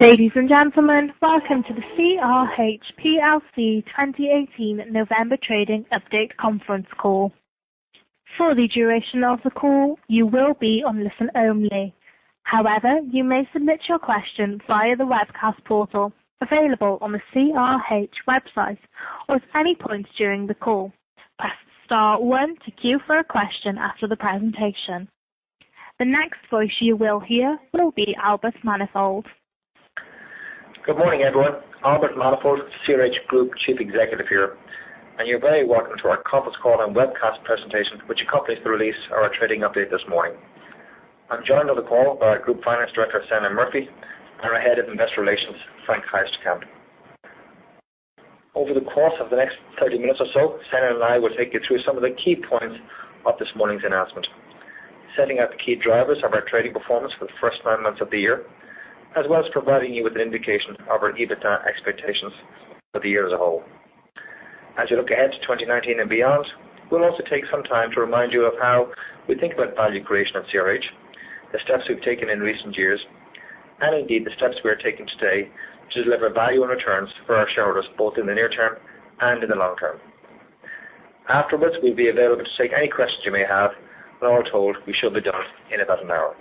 Ladies and gentlemen, welcome to the CRH Plc 2018 November trading update conference call. For the duration of the call, you will be on listen only. However, you may submit your questions via the webcast portal available on the CRH website or at any point during the call. Press star one to queue for a question after the presentation. The next voice you will hear will be Albert Manifold. Good morning, everyone. Albert Manifold, CRH Group Chief Executive here. You are very welcome to our conference call and webcast presentation, which accompanies the release of our trading update this morning. I am joined on the call by Group Finance Director, Senan Murphy, and our Head of Investor Relations, Frank Heisterkamp. Over the course of the next 30 minutes or so, Senan and I will take you through some of the key points of this morning's announcement, setting out the key drivers of our trading performance for the first nine months of the year, as well as providing you with an indication of our EBITDA expectations for the year as a whole. As we look ahead to 2019 and beyond, we will also take some time to remind you of how we think about value creation at CRH, the steps we have taken in recent years, and indeed, the steps we are taking today to deliver value and returns for our shareholders, both in the near term and in the long term. Afterwards, we will be available to take any questions you may have. When all told, we should be done in about an hour.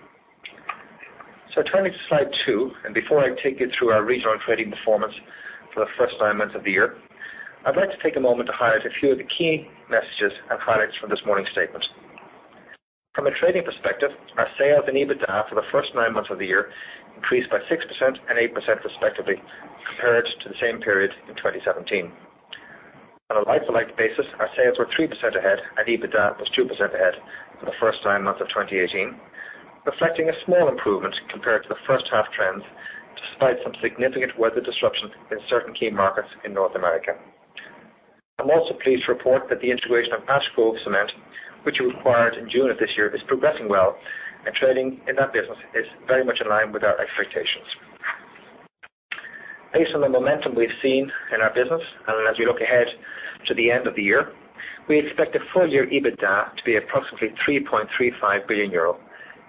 Turning to slide two, before I take you through our regional trading performance for the first nine months of the year, I would like to take a moment to highlight a few of the key messages and highlights from this morning's statement. From a trading perspective, our sales and EBITDA for the first nine months of the year increased by 6% and 8% respectively, compared to the same period in 2017. On a like-for-like basis, our sales were 3% ahead and EBITDA was 2% ahead for the first nine months of 2018, reflecting a small improvement compared to the first-half trends, despite some significant weather disruption in certain key markets in North America. I am also pleased to report that the integration of Ash Grove Cement, which we acquired in June of this year, is progressing well, and trading in that business is very much in line with our expectations. Based on the momentum we have seen in our business, as we look ahead to the end of the year, we expect the full-year EBITDA to be approximately 3.35 billion euro,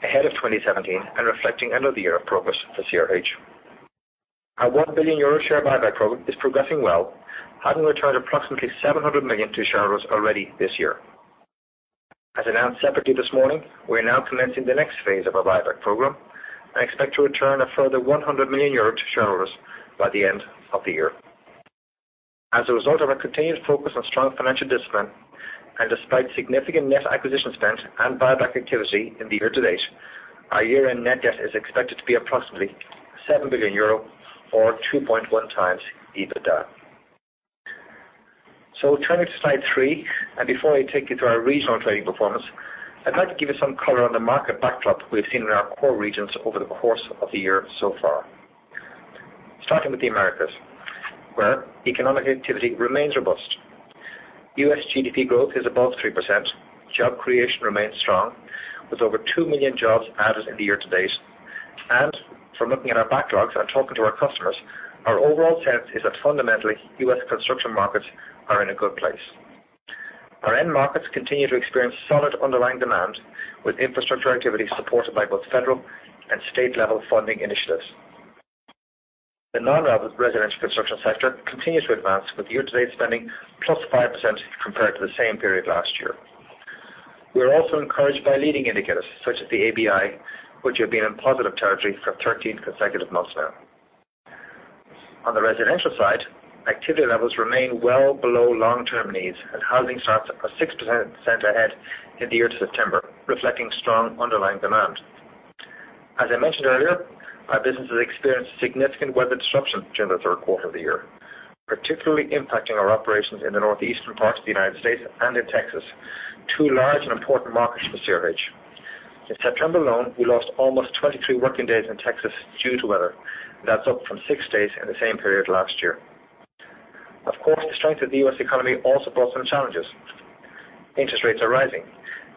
ahead of 2017 and reflecting another year of progress for CRH. Our 1 billion euro share buyback program is progressing well, having returned approximately 700 million to shareholders already this year. As announced separately this morning, we're now commencing the next phase of our buyback program and expect to return a further 100 million euro to shareholders by the end of the year. As a result of our continued focus on strong financial discipline, and despite significant net acquisition spend and buyback activity in the year to date, our year-end net debt is expected to be approximately 7 billion euro or 2.1x EBITDA. Turning to slide three, and before I take you through our regional trading performance, I'd like to give you some color on the market backdrop we've seen in our core regions over the course of the year so far. Starting with the Americas, where economic activity remains robust. U.S. GDP growth is above 3%. Job creation remains strong, with over 2 million jobs added in the year to date. From looking at our backlogs and talking to our customers, our overall sense is that fundamentally, U.S. construction markets are in a good place. Our end markets continue to experience solid underlying demand, with infrastructure activity supported by both federal and state-level funding initiatives. The non-residential construction sector continues to advance with year-to-date spending +5% compared to the same period last year. We are also encouraged by leading indicators such as the ABI, which have been in positive territory for 13 consecutive months now. On the residential side, activity levels remain well below long-term needs, and housing starts are 6% ahead in the year to September, reflecting strong underlying demand. As I mentioned earlier, our business has experienced significant weather disruption during the third quarter of the year, particularly impacting our operations in the northeastern parts of the United States and in Texas, two large and important markets for CRH. In September alone, we lost almost 23 working days in Texas due to weather. That's up from six days in the same period last year. Of course, the strength of the U.S. economy also brought some challenges. Interest rates are rising,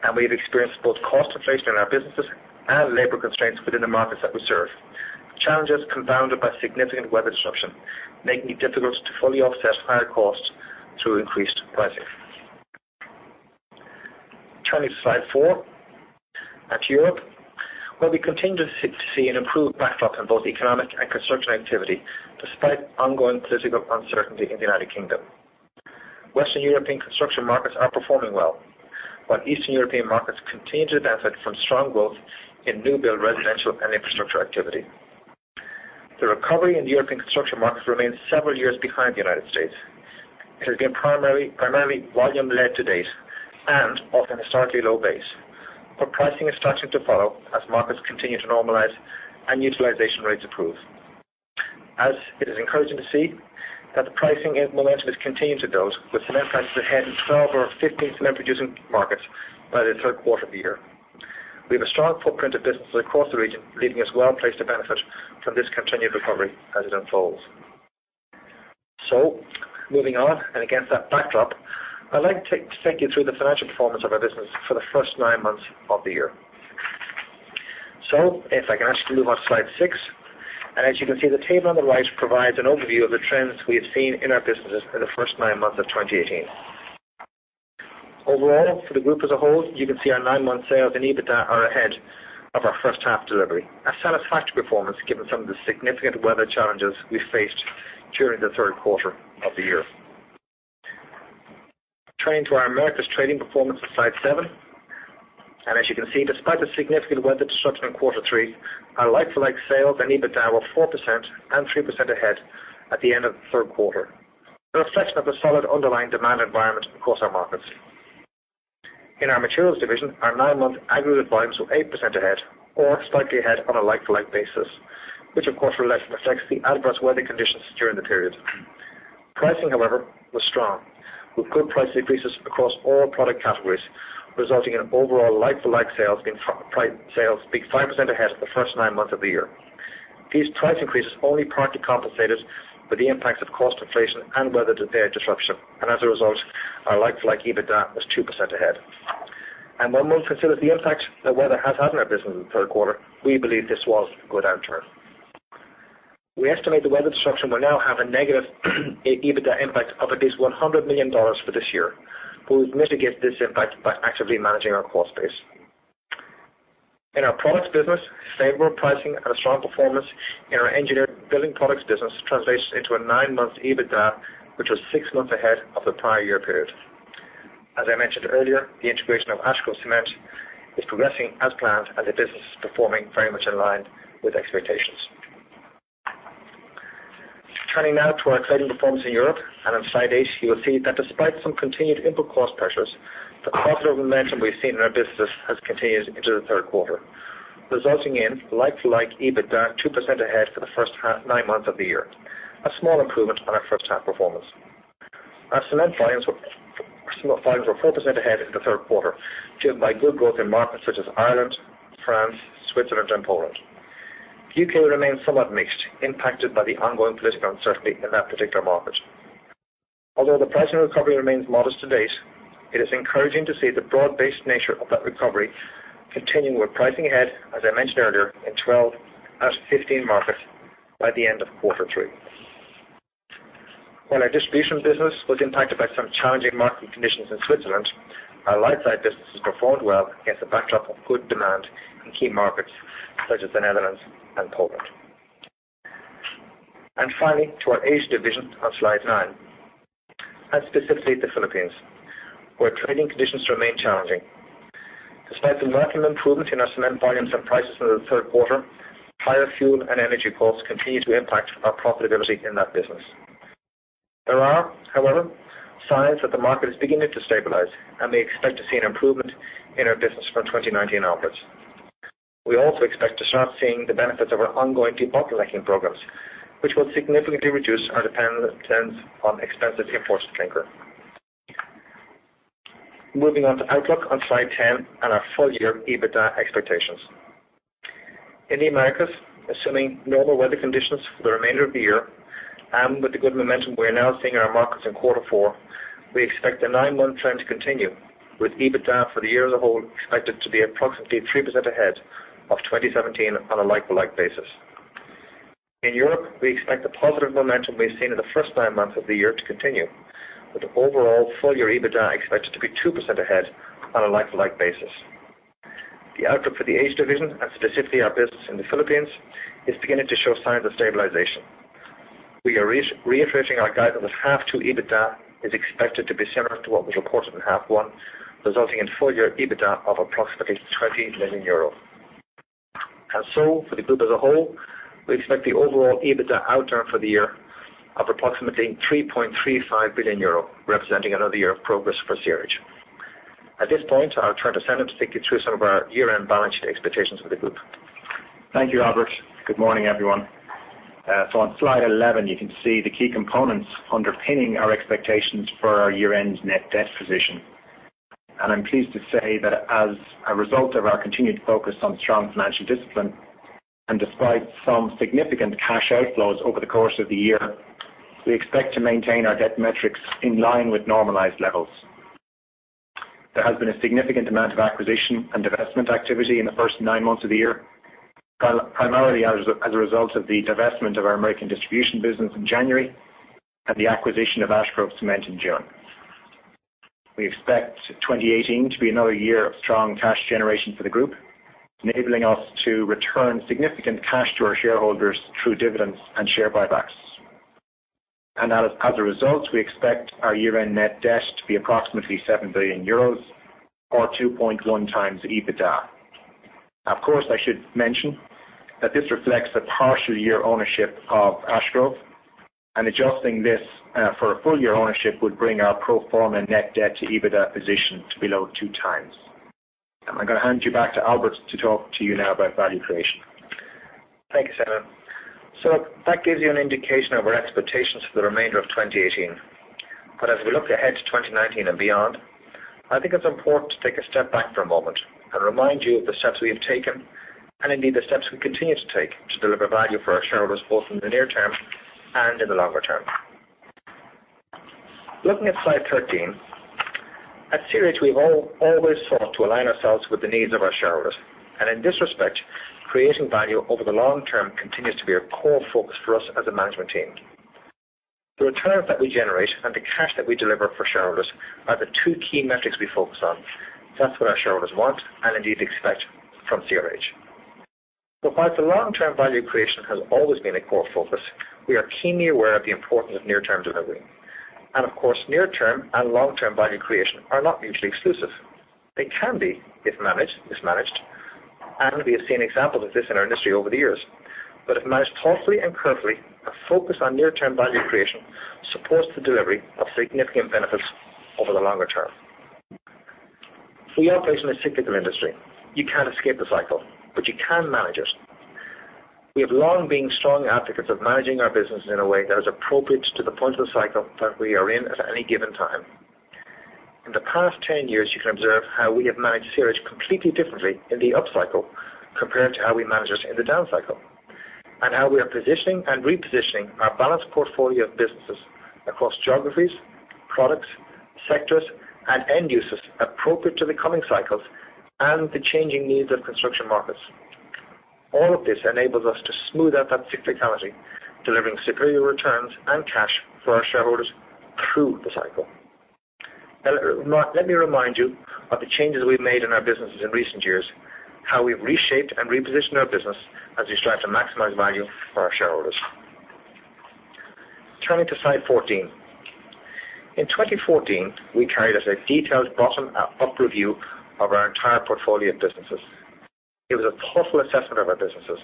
and we have experienced both cost inflation in our businesses and labor constraints within the markets that we serve. Challenges compounded by significant weather disruption, making it difficult to fully offset higher costs through increased pricing. Turning to slide four. At Europe, where we continue to see an improved backdrop in both economic and construction activity, despite ongoing political uncertainty in the United Kingdom. Western European construction markets are performing well, while Eastern European markets continue to benefit from strong growth in new build residential and infrastructure activity. The recovery in European construction markets remains several years behind the United States. It has been primarily volume-led to date and off an historically low base, but pricing is starting to follow as markets continue to normalize and utilization rates improve. As it is encouraging to see that the pricing momentum has continued to build with cement prices ahead in 12 of our 15 cement-producing markets by the third quarter of the year. We have a strong footprint of businesses across the region, leaving us well-placed to benefit from this continued recovery as it unfolds. Moving on, and against that backdrop, I'd like to take you through the financial performance of our business for the first nine months of the year. If I can ask you to move on to slide six, as you can see, the table on the right provides an overview of the trends we have seen in our businesses in the first nine months of 2018. Overall, for the group as a whole, you can see our nine-month sales and EBITDA are ahead of our first half delivery. A satisfactory performance given some of the significant weather challenges we faced during the third quarter of the year. Turning to our Americas trading performance on slide seven. As you can see, despite the significant weather disruption in quarter three, our like-for-like sales and EBITDA were 4% and 3% ahead at the end of the third quarter, a reflection of the solid underlying demand environment across our markets. In our materials division, our nine-month aggregated volumes were 8% ahead or slightly ahead on a like-for-like basis, which of course reflects the adverse weather conditions during the period. Pricing, however, was strong, with good price increases across all product categories, resulting in overall like-for-like sales being 5% ahead of the first nine months of the year. These price increases only partly compensated for the impacts of cost inflation and weather-related disruption. As a result, our like-for-like EBITDA was 2% ahead. When one considers the impact the weather has had on our business in the third quarter, we believe this was a good outturn. We estimate the weather disruption will now have a negative EBITDA impact of at least $100 million for this year. We will mitigate this impact by actively managing our cost base. In our products business, favorable pricing and a strong performance in our engineering building products business translates into a nine-month EBITDA, which was six months ahead of the prior year period. As I mentioned earlier, the integration of Ash Grove Cement is progressing as planned. The business is performing very much in line with expectations. Turning now to our trading performance in Europe. On slide eight, you will see that despite some continued input cost pressures, the positive momentum we've seen in our business has continued into the third quarter, resulting in like-for-like EBITDA 2% ahead for the first nine months of the year, a small improvement on our first half performance. Our cement volumes were 4% ahead in the third quarter, fueled by good growth in markets such as Ireland, France, Switzerland, and Poland. U.K. remains somewhat mixed, impacted by the ongoing political uncertainty in that particular market. Although the pricing recovery remains modest to date, it is encouraging to see the broad-based nature of that recovery continuing with pricing ahead, as I mentioned earlier, in 12 out of 15 markets by the end of quarter three. While our distribution business was impacted by some challenging market conditions in Switzerland, our like-for-like businesses performed well against a backdrop of good demand in key markets such as the Netherlands and Poland. Finally, to our Asia division on slide nine, specifically the Philippines, where trading conditions remain challenging. Despite the welcome improvement in our cement volumes and prices over the third quarter, higher fuel and energy costs continue to impact our profitability in that business. There are, however, signs that the market is beginning to stabilize, and we expect to see an improvement in our business from 2019 onwards. We also expect to start seeing the benefits of our ongoing debottlenecking programs, which will significantly reduce our dependence on expensive imported clinker. Moving on to outlook on slide 10 and our full-year EBITDA expectations. In the Americas, assuming normal weather conditions for the remainder of the year, and with the good momentum we are now seeing in our markets in quarter four, we expect the nine-month trend to continue, with EBITDA for the year as a whole expected to be approximately 3% ahead of 2017 on a like-for-like basis. In Europe, we expect the positive momentum we've seen in the first nine months of the year to continue, with overall full-year EBITDA expected to be 2% ahead on a like-for-like basis. The outlook for the Asia division, and specifically our business in the Philippines, is beginning to show signs of stabilization. We are reiterating our guidance that half two EBITDA is expected to be similar to what was reported in half one, resulting in full-year EBITDA of approximately 20 million euro. For the group as a whole, we expect the overall EBITDA outturn for the year of approximately 3.35 billion euro, representing another year of progress for CRH. At this point, I'll turn to Senan to take you through some of our year-end balance sheet expectations for the group. Thank you, Albert. Good morning, everyone. On slide 11, you can see the key components underpinning our expectations for our year-end net debt position. I'm pleased to say that as a result of our continued focus on strong financial discipline, and despite some significant cash outflows over the course of the year, we expect to maintain our debt metrics in line with normalized levels. There has been a significant amount of acquisition and divestment activity in the first nine months of the year, primarily as a result of the divestment of our American distribution business in January and the acquisition of Ash Grove Cement in June. We expect 2018 to be another year of strong cash generation for the group, enabling us to return significant cash to our shareholders through dividends and share buybacks. As a result, we expect our year-end net debt to be approximately 7 billion euros or 2.1x EBITDA. Of course, I should mention that this reflects the partial year ownership of Ash Grove and adjusting this for a full year ownership would bring our pro forma net debt to EBITDA position to below 2x. I'm going to hand you back to Albert to talk to you now about value creation. Thank you, Senan. That gives you an indication of our expectations for the remainder of 2018. As we look ahead to 2019 and beyond, I think it's important to take a step back for a moment and remind you of the steps we have taken, and indeed, the steps we continue to take to deliver value for our shareholders, both in the near term and in the longer term. Looking at slide 13. At CRH, we've always sought to align ourselves with the needs of our shareholders, and in this respect, creating value over the long term continues to be a core focus for us as a management team. The returns that we generate and the cash that we deliver for shareholders are the two key metrics we focus on. That's what our shareholders want and indeed expect from CRH. Whilst the long-term value creation has always been a core focus, we are keenly aware of the importance of near-term delivery. Of course, near-term and long-term value creation are not mutually exclusive. They can be if managed mismanaged, and we have seen examples of this in our industry over the years. If managed thoughtfully and carefully, a focus on near-term value creation supports the delivery of significant benefits over the longer term. We operate in a cyclical industry. You can't escape the cycle, but you can manage it. We have long been strong advocates of managing our business in a way that is appropriate to the point of the cycle that we are in at any given time. In the past 10 years, you can observe how we have managed CRH completely differently in the up cycle compared to how we manage it in the down cycle, and how we are positioning and repositioning our balanced portfolio of businesses across geographies, products, sectors, and end users appropriate to the coming cycles and the changing needs of construction markets. All of this enables us to smooth out that cyclicality, delivering superior returns and cash for our shareholders through the cycle. Let me remind you of the changes we've made in our businesses in recent years, how we've reshaped and repositioned our business as we strive to maximize value for our shareholders. Turning to slide 14. In 2014, we carried out a detailed bottom-up review of our entire portfolio of businesses. It was a thoughtful assessment of our businesses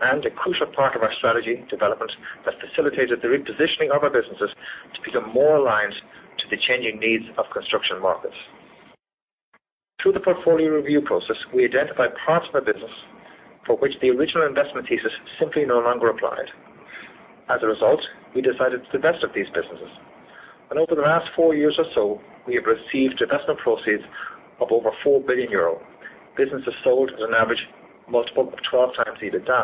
and a crucial part of our strategy development that facilitated the repositioning of our businesses to become more aligned to the changing needs of construction markets. Through the portfolio review process, we identified parts of our business for which the original investment thesis simply no longer applied. As a result, we decided to divest of these businesses, and over the last four years or so, we have received investment proceeds of over 4 billion euro. Businesses sold at an average multiple of 12x EBITDA.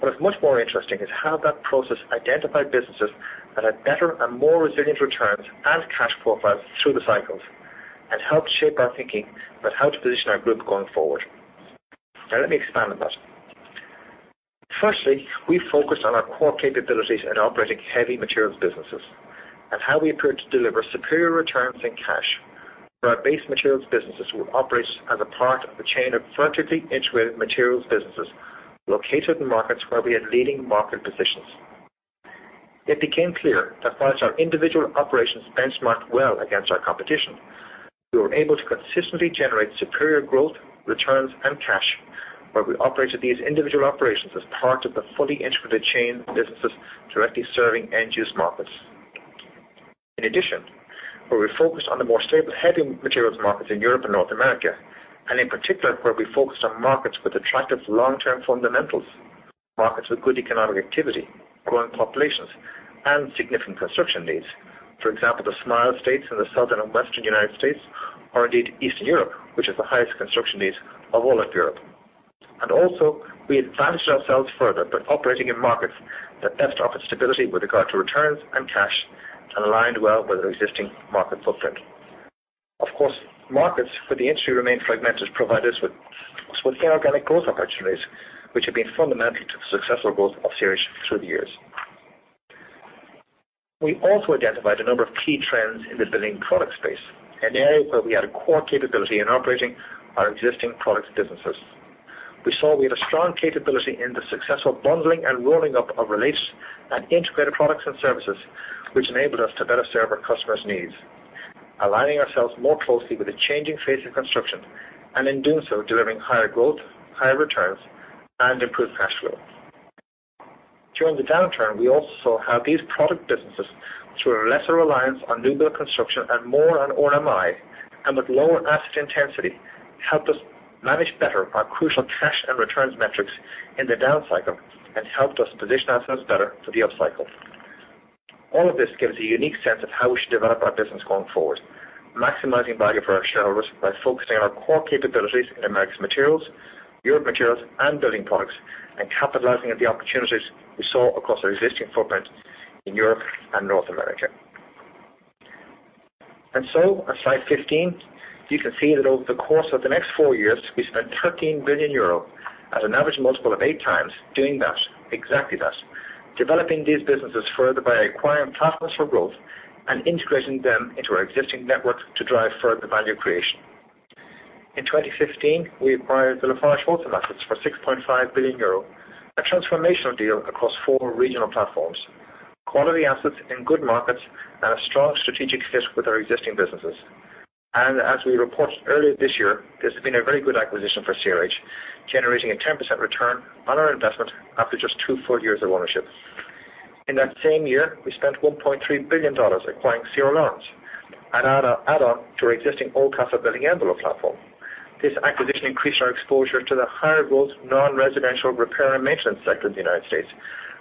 What is much more interesting is how that process identified businesses that had better and more resilient returns and cash profiles through the cycles and helped shape our thinking about how to position our group going forward. Let me expand on that. Firstly, we focused on our core capabilities in operating heavy materials businesses and how we appeared to deliver superior returns in cash for our base materials businesses. We operate as a part of the chain of vertically integrated materials businesses located in markets where we had leading market positions. It became clear that whilst our individual operations benchmarked well against our competition, we were able to consistently generate superior growth, returns, and cash where we operated these individual operations as part of the fully integrated chain businesses directly serving end-use markets. In addition, where we focused on the more stable heavy materials markets in Europe and North America, and in particular, where we focused on markets with attractive long-term fundamentals, markets with good economic activity, growing populations, and significant construction needs. For example, the Smile States in the Southern and Western U.S., or indeed Eastern Europe, which has the highest construction needs of all of Europe. Also, we advantaged ourselves further by operating in markets that best offered stability with regard to returns and cash and aligned well with our existing market footprint. Of course, markets where the industry remained fragmented provided us with inorganic growth opportunities, which have been fundamental to the successful growth of CRH through the years. We also identified a number of key trends in the building product space, an area where we had a core capability in operating our existing products businesses. We saw we had a strong capability in the successful bundling and rolling up of related and integrated products and services, which enabled us to better serve our customers' needs, aligning ourselves more closely with the changing face of construction, and in doing so, delivering higher growth, higher returns, and improved cash flow. During the downturn, we also saw how these product businesses, through a lesser reliance on new build construction and more on RMI and with lower asset intensity, helped us manage better our crucial cash and returns metrics in the down cycle and helped us position ourselves better for the up cycle. All of this gives a unique sense of how we should develop our business going forward, maximizing value for our shareholders by focusing on our core capabilities in Americas materials, Europe materials, and building products, capitalizing on the opportunities we saw across our existing footprint in Europe and North America. On slide 15, you can see that over the course of the next four years, we spent 13 billion euro at an average multiple of 8x doing that. Exactly that. Developing these businesses further by acquiring platforms for growth and integrating them into our existing network to drive further value creation. In 2015, we acquired the LafargeHolcim assets for 6.5 billion euro, a transformational deal across four regional platforms, quality assets in good markets, and a strong strategic fit with our existing businesses. As we reported earlier this year, this has been a very good acquisition for CRH, generating a 10% return on our investment after just two full years of ownership. In that same year, we spent $1.3 billion acquiring C.R. Laurence, an add-on to our existing Oldcastle BuildingEnvelope platform. This acquisition increased our exposure to the higher growth non-residential repair and maintenance sector in the United States,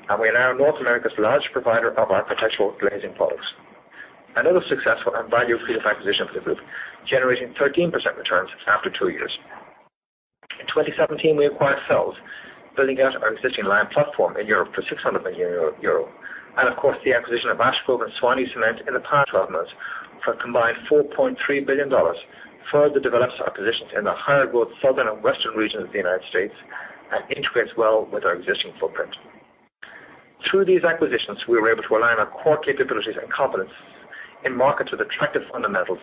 and we are now North America's largest provider of architectural glazing products. Another successful and value creative acquisition for the group, generating 13% returns after two years. In 2017, we acquired Fels, building out our existing lime platform in Europe for 600 million euro. Of course, the acquisition of Ash Grove and Suwannee Cement in the past 12 months for a combined $4.3 billion further develops our positions in the higher growth southern and western regions of the United States and integrates well with our existing footprint. Through these acquisitions, we were able to align our core capabilities and competence in markets with attractive fundamentals,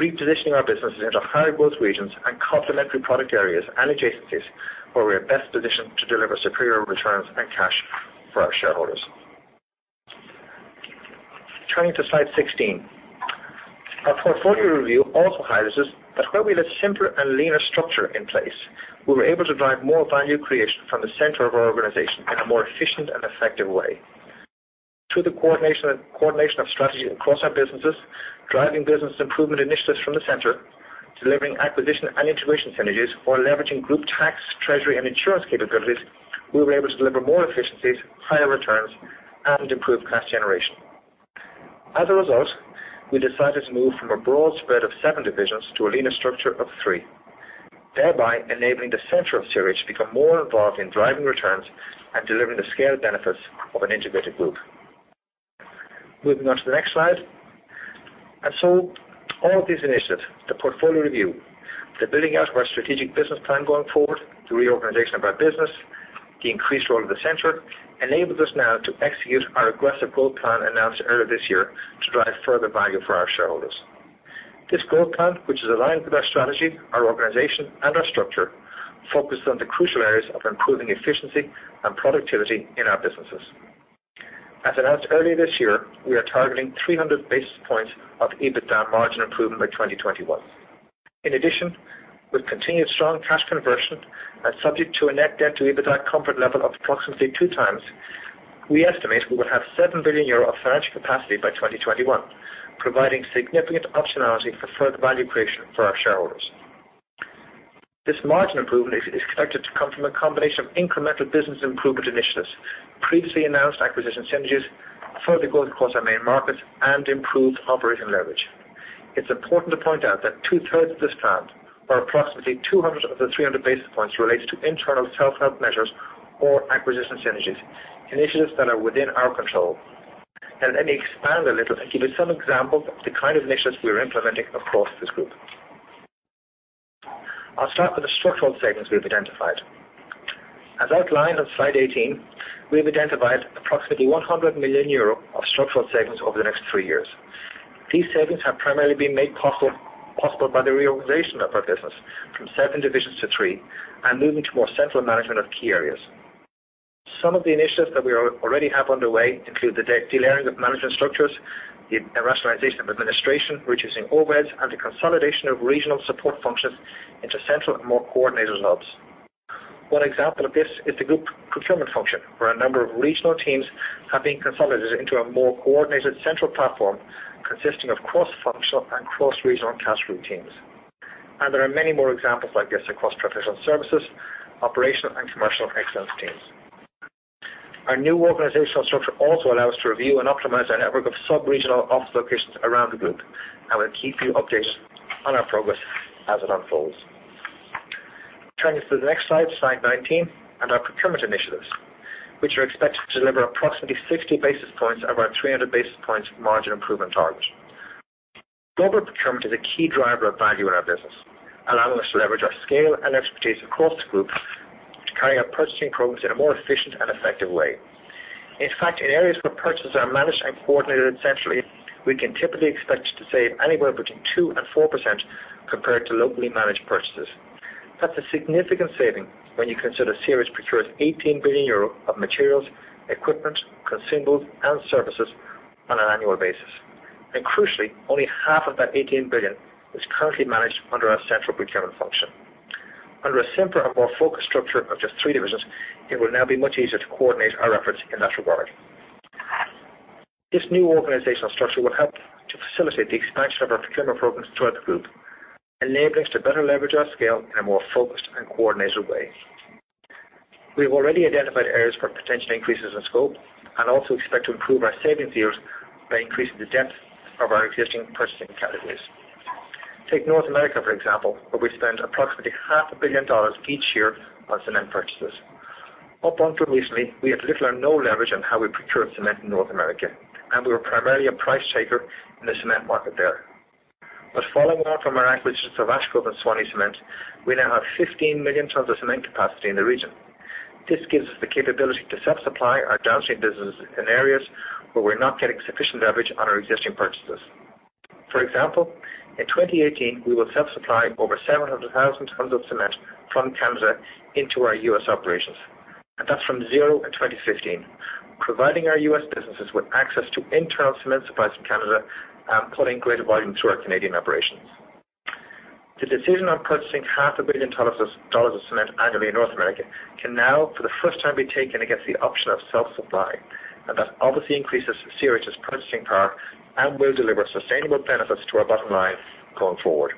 repositioning our businesses into higher growth regions and complementary product areas and adjacencies where we are best positioned to deliver superior returns and cash for our shareholders. Turning to slide 16. Our portfolio review also highlights us that where we had a simpler and leaner structure in place, we were able to drive more value creation from the center of our organization in a more efficient and effective way. Through the coordination of strategy across our businesses, driving business improvement initiatives from the center, delivering acquisition and integration synergies or leveraging group tax, treasury, and insurance capabilities, we were able to deliver more efficiencies, higher returns, and improved cash generation. As a result, we decided to move from a broad spread of seven divisions to a leaner structure of three, thereby enabling the center of CRH to become more involved in driving returns and delivering the scale benefits of an integrated group. Moving on to the next slide. All of these initiatives, the portfolio review, the building out of our strategic business plan going forward, the reorganization of our business, the increased role of the center, enables us now to execute our aggressive growth plan announced earlier this year to drive further value for our shareholders. This growth plan, which is aligned with our strategy, our organization, and our structure, focuses on the crucial areas of improving efficiency and productivity in our businesses. As announced earlier this year, we are targeting 300 basis points of EBITDA margin improvement by 2021. In addition, with continued strong cash conversion and subject to a net debt to EBITDA comfort level of approximately 2x, we estimate we will have 7 billion euro of financial capacity by 2021, providing significant optionality for further value creation for our shareholders. This margin improvement is expected to come from a combination of incremental business improvement initiatives, previously announced acquisition synergies, further growth across our main markets, and improved operational leverage. It's important to point out that two-thirds of this strand or approximately 200 basis points of the 300 basis points relates to internal self-help measures or acquisition synergies, initiatives that are within our control. Let me expand a little and give you some examples of the kind of initiatives we are implementing across this group. I'll start with the structural savings we've identified. As outlined on slide 18, we have identified approximately 100 million euro of structural savings over the next three years. These savings have primarily been made possible by the reorganization of our business from seven divisions to three and moving to more central management of key areas. Some of the initiatives that we already have underway include the de-layering of management structures, the rationalization of administration, reducing overheads, and the consolidation of regional support functions into central and more coordinated hubs. One example of this is the group procurement function, where a number of regional teams have been consolidated into a more coordinated central platform consisting of cross-functional and cross-regional category teams. There are many more examples like this across professional services, operational, and commercial excellence teams. Our new organizational structure also allows to review and optimize our network of sub-regional office locations around the group, and we'll keep you updated on our progress as it unfolds. Turning to the next slide 19, and our procurement initiatives, which are expected to deliver approximately 60 basis points of our 300 basis points margin improvement target. Global procurement is a key driver of value in our business, allowing us to leverage our scale and expertise across the group to carry out purchasing programs in a more efficient and effective way. In fact, in areas where purchases are managed and coordinated centrally, we can typically expect to save anywhere between 2% and 4% compared to locally managed purchases. That's a significant saving when you consider CRH procures 18 billion euro of materials, equipment, consumables, and services on an annual basis. Crucially, only half of that 18 billion is currently managed under our central procurement function. Under a simpler and more focused structure of just three divisions, it will now be much easier to coordinate our efforts in that regard. This new organizational structure will help to facilitate the expansion of our procurement programs throughout the group, enabling us to better leverage our scale in a more focused and coordinated way. We've already identified areas for potential increases in scope and also expect to improve our savings yields by increasing the depth of our existing purchasing categories. Take North America, for example, where we spend approximately half a billion dollars each year on cement purchases. Up until recently, we had little or no leverage on how we procured cement in North America, and we were primarily a price taker in the cement market there. Following on from our acquisition of Ash Grove and Suwannee Cement, we now have 15 million tons of cement capacity in the region. This gives us the capability to self-supply our downstream businesses in areas where we're not getting sufficient leverage on our existing purchases. For example, in 2018, we will self-supply over 700,000 tons of cement from Canada into our U.S. operations, and that's from zero in 2015, providing our U.S. businesses with access to internal cement supplies from Canada and pulling greater volume to our Canadian operations. The decision on purchasing $0.5 billion of cement annually in North America can now, for the first time, be taken against the option of self-supply. That obviously increases CRH's purchasing power and will deliver sustainable benefits to our bottom line going forward.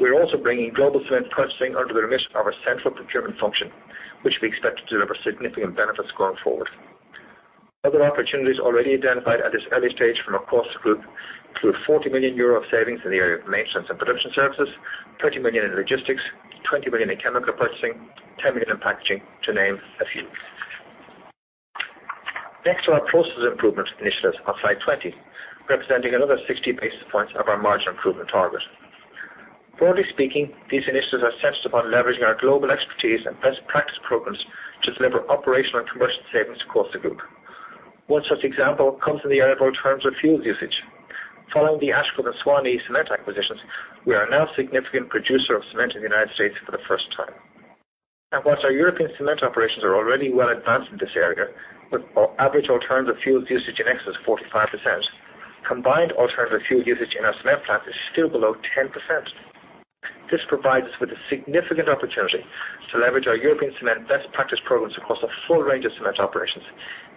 We're also bringing global cement purchasing under the remit of our central procurement function, which we expect to deliver significant benefits going forward. Other opportunities already identified at this early stage from across the group. Through 40 million euro of savings in the area of maintenance and production services, 30 million in logistics, 20 million in chemical purchasing, 10 million in packaging, to name a few. Next are our process improvement initiatives on slide 20, representing another 60 basis points of our margin improvement target. Broadly speaking, these initiatives are centered upon leveraging our global expertise and best practice programs to deliver operational and commercial savings across the group. One such example comes in the area of alternative fuels usage. Following the Ash Grove and Suwannee Cement acquisitions, we are now a significant producer of cement in the United States for the first time. Whilst our European cement operations are already well advanced in this area, with our average alternative fuels usage in excess of 45%, combined alternative fuel usage in our cement plants is still below 10%. This provides us with a significant opportunity to leverage our European cement best practice programs across a full range of cement operations,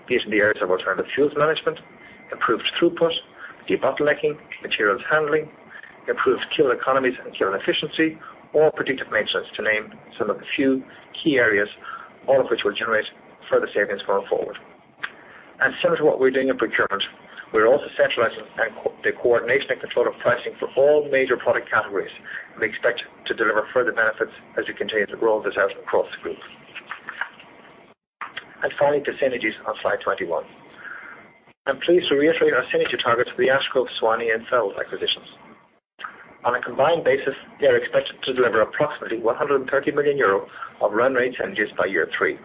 be it in the areas of alternative fuels management, improved throughput, debottlenecking, materials handling, improved kiln economies and kiln efficiency, or predictive maintenance, to name some of the few key areas, all of which will generate further savings going forward. Similar to what we're doing in procurement, we're also centralizing the coordination and control of pricing for all major product categories. We expect to deliver further benefits as we continue to roll this out across the group. Finally, the synergies on slide 21. I'm pleased to reiterate our synergy targets for the Ash Grove, Suwannee, and Fels acquisitions. On a combined basis, they are expected to deliver approximately 130 million euro of run rate synergies by year three,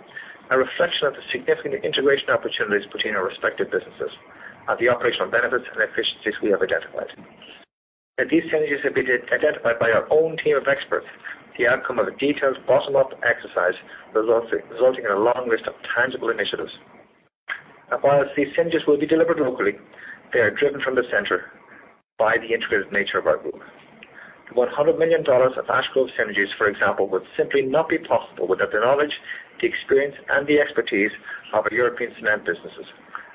a reflection of the significant integration opportunities between our respective businesses and the operational benefits and efficiencies we have identified. Now, these synergies have been identified by our own team of experts, the outcome of a detailed bottom-up exercise resulting in a long list of tangible initiatives. While these synergies will be delivered locally, they are driven from the center by the integrated nature of our group. The $100 million of Ash Grove synergies, for example, would simply not be possible without the knowledge, the experience, and the expertise of our European cement businesses,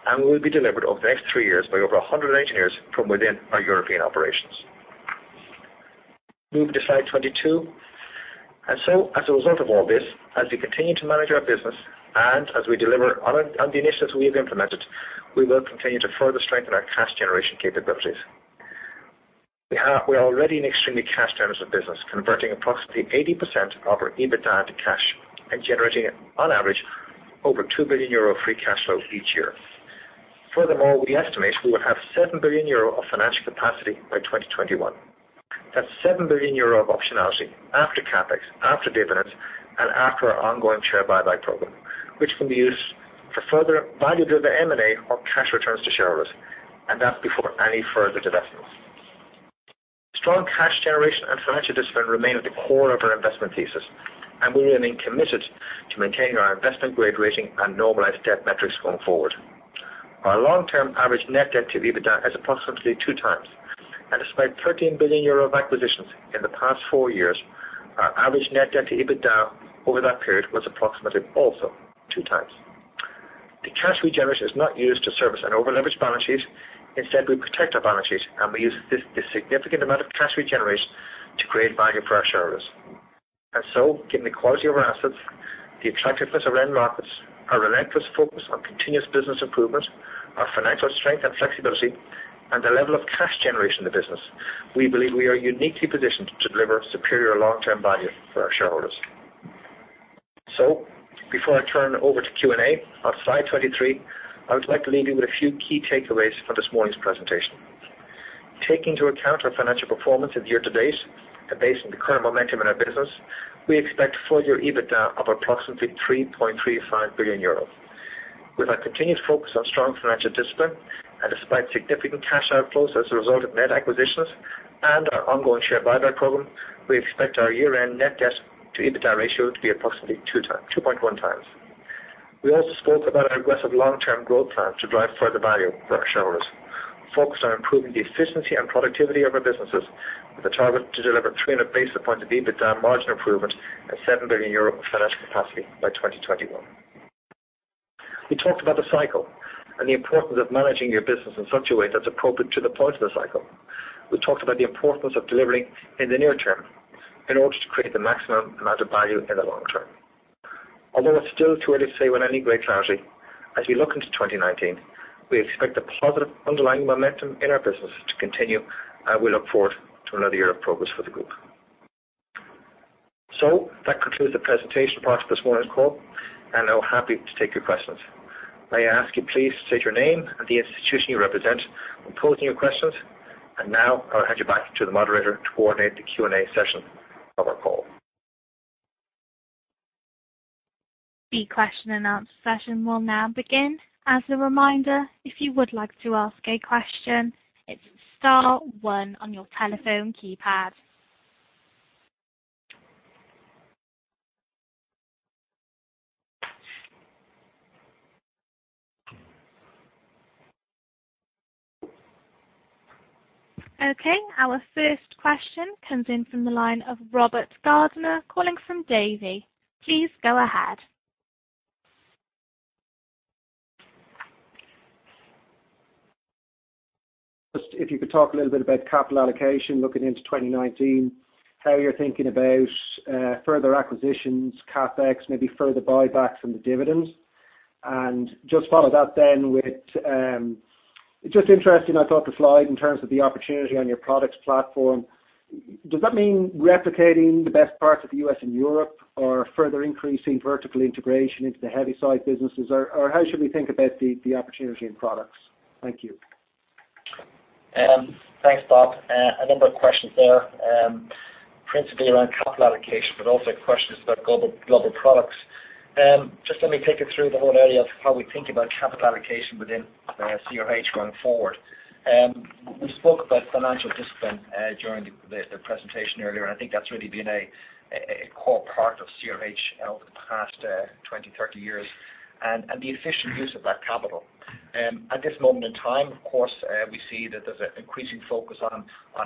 and will be delivered over the next three years by over 100 engineers from within our European operations. Moving to slide 22. As a result of all this, as we continue to manage our business, and as we deliver on the initiatives we have implemented, we will continue to further strengthen our cash generation capabilities. We're already an extremely cash-generous business, converting approximately 80% of our EBITDA into cash and generating on average over 2 billion euro free cash flow each year. Furthermore, we estimate we will have 7 billion euro of financial capacity by 2021. That's 7 billion euro of optionality after CapEx, after dividends, and after our ongoing share buyback program, which can be used for further value-driven M&A or cash returns to shareholders. That's before any further divestments. Strong cash generation and financial discipline remain at the core of our investment thesis, and we remain committed to maintaining our investment-grade rating and normalized debt metrics going forward. Our long-term average net debt to EBITDA is approximately 2x. Despite 13 billion euro of acquisitions in the past four years, our average net debt to EBITDA over that period was approximately also 2x. The cash we generate is not used to service an over-leveraged balance sheet. Instead, we protect our balance sheet, and we use the significant amount of cash we generate to create value for our shareholders. Given the quality of our assets, the attractiveness of end markets, our relentless focus on continuous business improvement, our financial strength and flexibility, and the level of cash generation in the business, we believe we are uniquely positioned to deliver superior long-term value for our shareholders. Before I turn over to Q&A, on slide 23, I would like to leave you with a few key takeaways from this morning's presentation. Taking into account our financial performance of year to date, and based on the current momentum in our business, we expect full-year EBITDA of approximately 3.35 billion euros. With our continued focus on strong financial discipline, and despite significant cash outflows as a result of net acquisitions and our ongoing share buyback program, we expect our year-end net debt to EBITDA ratio to be approximately 2.1x. We also spoke about our aggressive long-term growth plan to drive further value for our shareholders. We're focused on improving the efficiency and productivity of our businesses, with a target to deliver 300 basis points of EBITDA margin improvement and 7 billion euro of financial capacity by 2021. We talked about the cycle and the importance of managing your business in such a way that's appropriate to the point of the cycle. We talked about the importance of delivering in the near term in order to create the maximum amount of value in the long term. Although it's still too early to say with any great clarity, as we look into 2019, we expect the positive underlying momentum in our business to continue, and we look forward to another year of progress for the group. That concludes the presentation part of this morning's call, and I'm happy to take your questions. May I ask you please to state your name and the institution you represent when posing your questions. Now I'll hand you back to the moderator to coordinate the Q&A session of our call. The question-and-answer session will now begin. As a reminder, if you would like to ask a question, it's star one on your telephone keypad. Okay, our first question comes in from the line of Robert Gardiner calling from Davy. Please go ahead. Just if you could talk a little bit about capital allocation looking into 2019, how you're thinking about further acquisitions, CapEx, maybe further buybacks and the dividends. Just follow that then with, it's just interesting, I thought the slide in terms of the opportunity on your products platform. Does that mean replicating the best parts of the U.S. and Europe or further increasing vertical integration into the heavy side businesses? Or how should we think about the opportunity in products? Thank you. Thanks, Bob. A number of questions there. Principally around capital allocation, but also questions about global products. Just let me take you through the whole area of how we think about capital allocation within CRH going forward. We spoke about financial discipline during the presentation earlier, and I think that's really been a core part of CRH over the past 20, 30 years and the efficient use of that capital. At this moment in time, of course, we see that there's an increasing focus on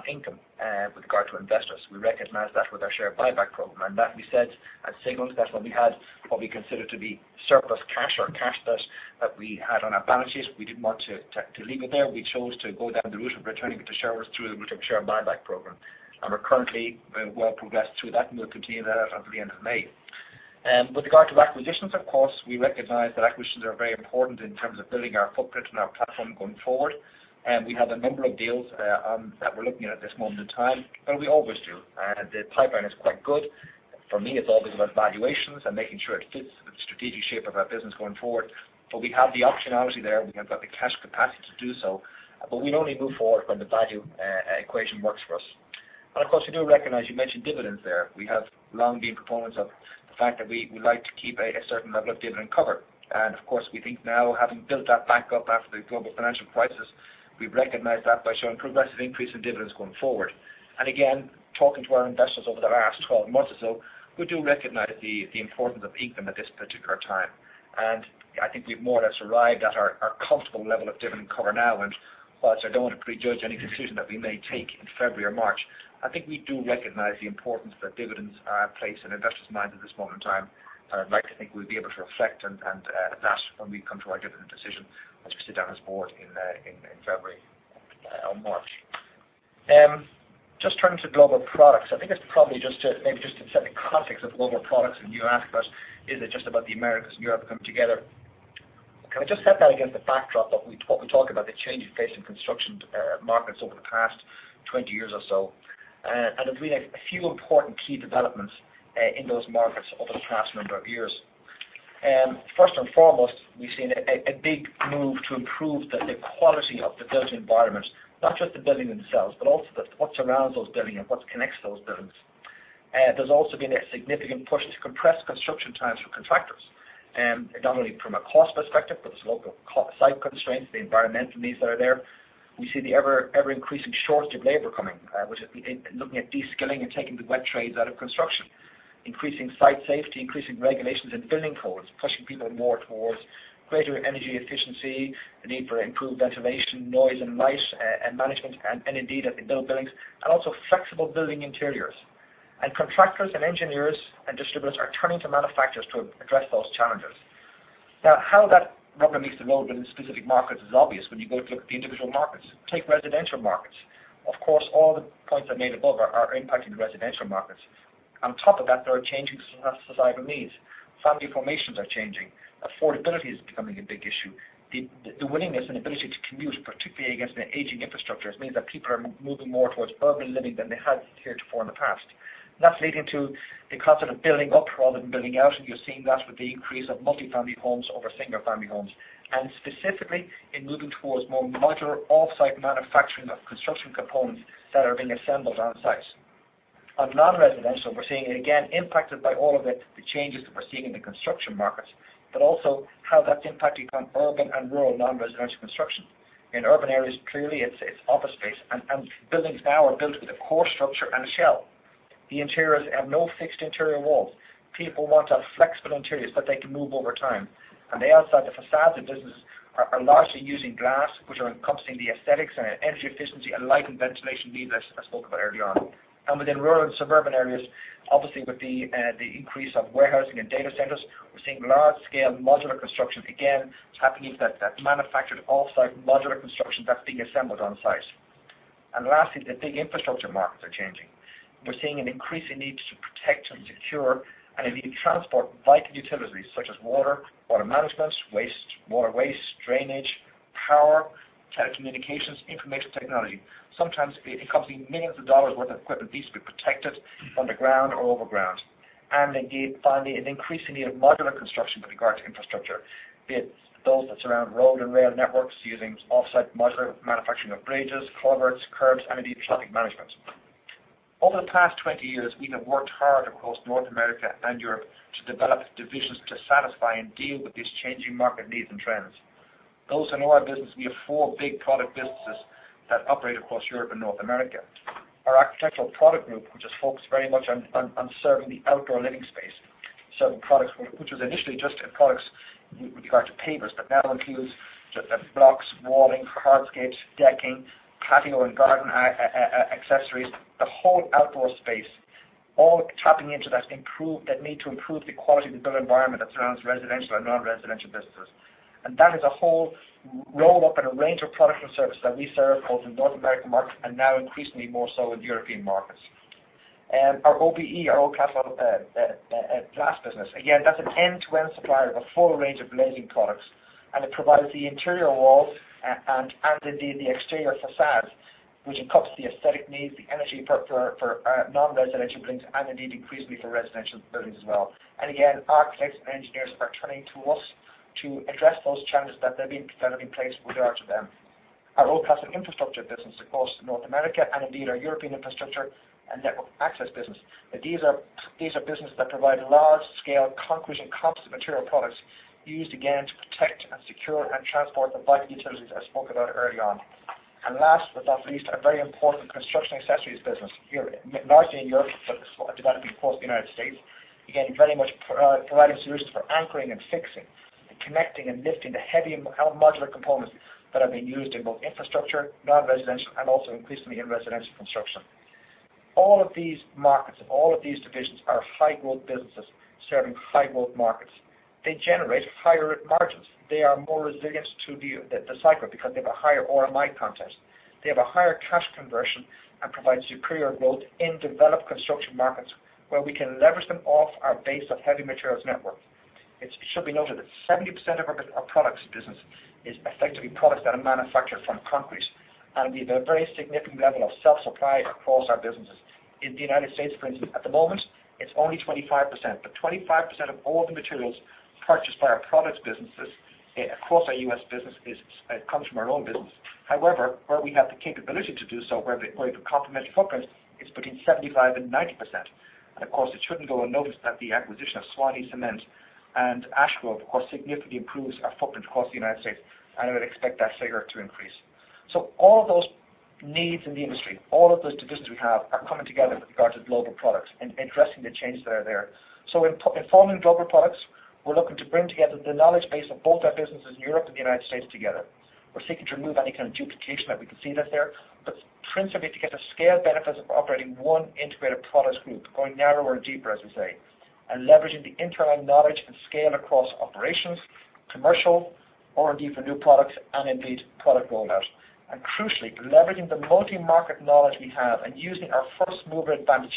income with regard to investors. We recognize that with our share buyback program, and that we said at signals, that's what we consider to be surplus cash or cash plus that we had on our balances. We didn't want to leave it there. We chose to go down the route of returning it to shareholders through the route of share buyback program. We're currently well progressed through that. We'll continue that up until the end of May. With regard to acquisitions, of course, we recognize that acquisitions are very important in terms of building our footprint and our platform going forward. We have a number of deals that we're looking at this moment in time, but we always do. The pipeline is quite good. For me, it's always about valuations and making sure it fits with the strategic shape of our business going forward. We have the optionality there, and we have got the cash capacity to do so, but we'd only move forward when the value equation works for us. Of course, we do recognize, you mentioned dividends there. We have long been proponents of the fact that we like to keep a certain level of dividend cover. Of course, we think now, having built that back up after the global financial crisis, we've recognized that by showing progressive increase in dividends going forward. Again, talking to our investors over the last 12 months or so, we do recognize the importance of income at this particular time. I think we've more or less arrived at our comfortable level of dividend cover now. Whilst I don't want to prejudge any decision that we may take in February or March, I think we do recognize the importance that dividends place in investors' minds at this moment in time. I'd like to think we'll be able to reflect on that when we come to our dividend decision, once we sit down as a board in February or March. Just turning to global products, I think it's probably just to maybe just to set the context of global products when you ask us, is it just about the Americas and Europe coming together? Can we just set that against the backdrop of what we talk about the changing face of construction markets over the past 20 years or so? There's been a few important key developments in those markets over the past number of years. First and foremost, we've seen a big move to improve the quality of the built environment, not just the building themselves, but also what surrounds those buildings and what connects those buildings. There's also been a significant push to compress construction times for contractors, not only from a cost perspective, but there's local site constraints, the environmental needs that are there. We see the ever-increasing shortage of labor coming, which is looking at de-skilling and taking the wet trades out of construction. Increasing site safety, increasing regulations in building codes, pushing people more towards greater energy efficiency, the need for improved ventilation, noise and light and management, and indeed, as we build buildings, and also flexible building interiors. Contractors and engineers and distributors are turning to manufacturers to address those challenges. Now, how that rubber meets the road in specific markets is obvious when you go to look at the individual markets. Take residential markets. Of course, all the points I made above are impacting the residential markets. On top of that, there are changing societal needs. Family formations are changing. Affordability is becoming a big issue. The willingness and ability to commute, particularly against the aging infrastructures, means that people are moving more towards urban living than they had heretofore in the past. That's leading to the concept of building up rather than building out, you're seeing that with the increase of multi-family homes over single-family homes, specifically in moving towards more modular off-site manufacturing of construction components that are being assembled on sites. On non-residential, we're seeing it again impacted by all of the changes that we're seeing in the construction markets, also how that's impacting on urban and rural non-residential construction. In urban areas, clearly, it's office space, buildings now are built with a core structure and a shell. The interiors have no fixed interior walls. People want to have flexible interiors that they can move over time. The outside, the facades of business are largely using glass, which are encompassing the aesthetics and energy efficiency and light and ventilation needs I spoke about earlier on. Within rural and suburban areas, obviously with the increase of warehousing and data centers, we're seeing large-scale modular construction again happening, that manufactured off-site modular construction that's being assembled on site. Lastly, the big infrastructure markets are changing. We're seeing an increasing need to protect and secure and a need to transport vital utilities such as water management, waste, water waste, drainage, power, telecommunications, information technology. Sometimes encompassing millions of dollars worth of equipment needs to be protected underground or overground. Indeed, finally, an increasing need of modular construction with regard to infrastructure, be it those that surround road and rail networks using off-site modular manufacturing of bridges, culverts, curbs, and indeed traffic management. Over the past 20 years, we have worked hard across North America and Europe to develop divisions to satisfy and deal with these changing market needs and trends. Those in our business, we have four big product businesses that operate across Europe and North America. Our architectural product group, which is focused very much on serving the outdoor living space. Serving products which was initially just products with regard to pavers, but now includes the blocks, walling, hardscapes, decking, patio, and garden accessories. The whole outdoor space all tapping into that need to improve the quality of the built environment that surrounds residential and non-residential businesses. That is a whole roll-up and a range of products and services that we serve both in North American markets and now increasingly more so in European markets. Our OBE, our Oldcastle glass business. Again, that's an end-to-end supplier of a full range of glazing products, it provides the interior walls and indeed the exterior facades, which encompass the aesthetic needs, the energy for non-residential buildings, indeed increasingly for residential buildings as well. Again, architects and engineers are turning to us to address those challenges that are being placed with regard to them. Our Oldcastle Infrastructure business across North America and indeed our European infrastructure and network access business. These are businesses that provide large-scale concrete and composite material products used, again, to protect and secure and transport the vital utilities I spoke about early on. Last but not least, our very important construction accessories business, largely in Europe, but developing across the United States. Very much providing solutions for anchoring and fixing and connecting and lifting the heavy modular components that are being used in both infrastructure, non-residential, and also increasingly in residential construction. All of these markets and all of these divisions are high-growth businesses serving high-growth markets. They generate higher margins. They are more resilient to the cycle because they have a higher RMI content. They have a higher cash conversion and provide superior growth in developed construction markets where we can leverage them off our base of heavy materials network. It should be noted that 70% of our products business is effectively products that are manufactured from concrete and have a very significant level of self-supply across our businesses. In the United States, for instance, at the moment, it's only 25%, but 25% of all the materials purchased by our products businesses across our U.S. business comes from our own business. However, where we have the capability to do so, where the complementary footprint is between 75%-90%. Of course, it shouldn't go unnoticed that the acquisition of Suwannee Cement and Ash Grove of course significantly improves our footprint across the United States, and I would expect that figure to increase. All of those needs in the industry, all of those divisions we have are coming together with regard to global products and addressing the changes that are there. In forming global products, we're looking to bring together the knowledge base of both our businesses in Europe and the United States together. We're seeking to remove any kind of duplication that we can see that's there, but principally to get the scale benefits of operating one integrated product group, going narrower and deeper, as we say, and leveraging the internal knowledge and scale across operations, commercial or indeed for new products and indeed product rollout. Crucially, leveraging the multi-market knowledge we have and using our first-mover advantage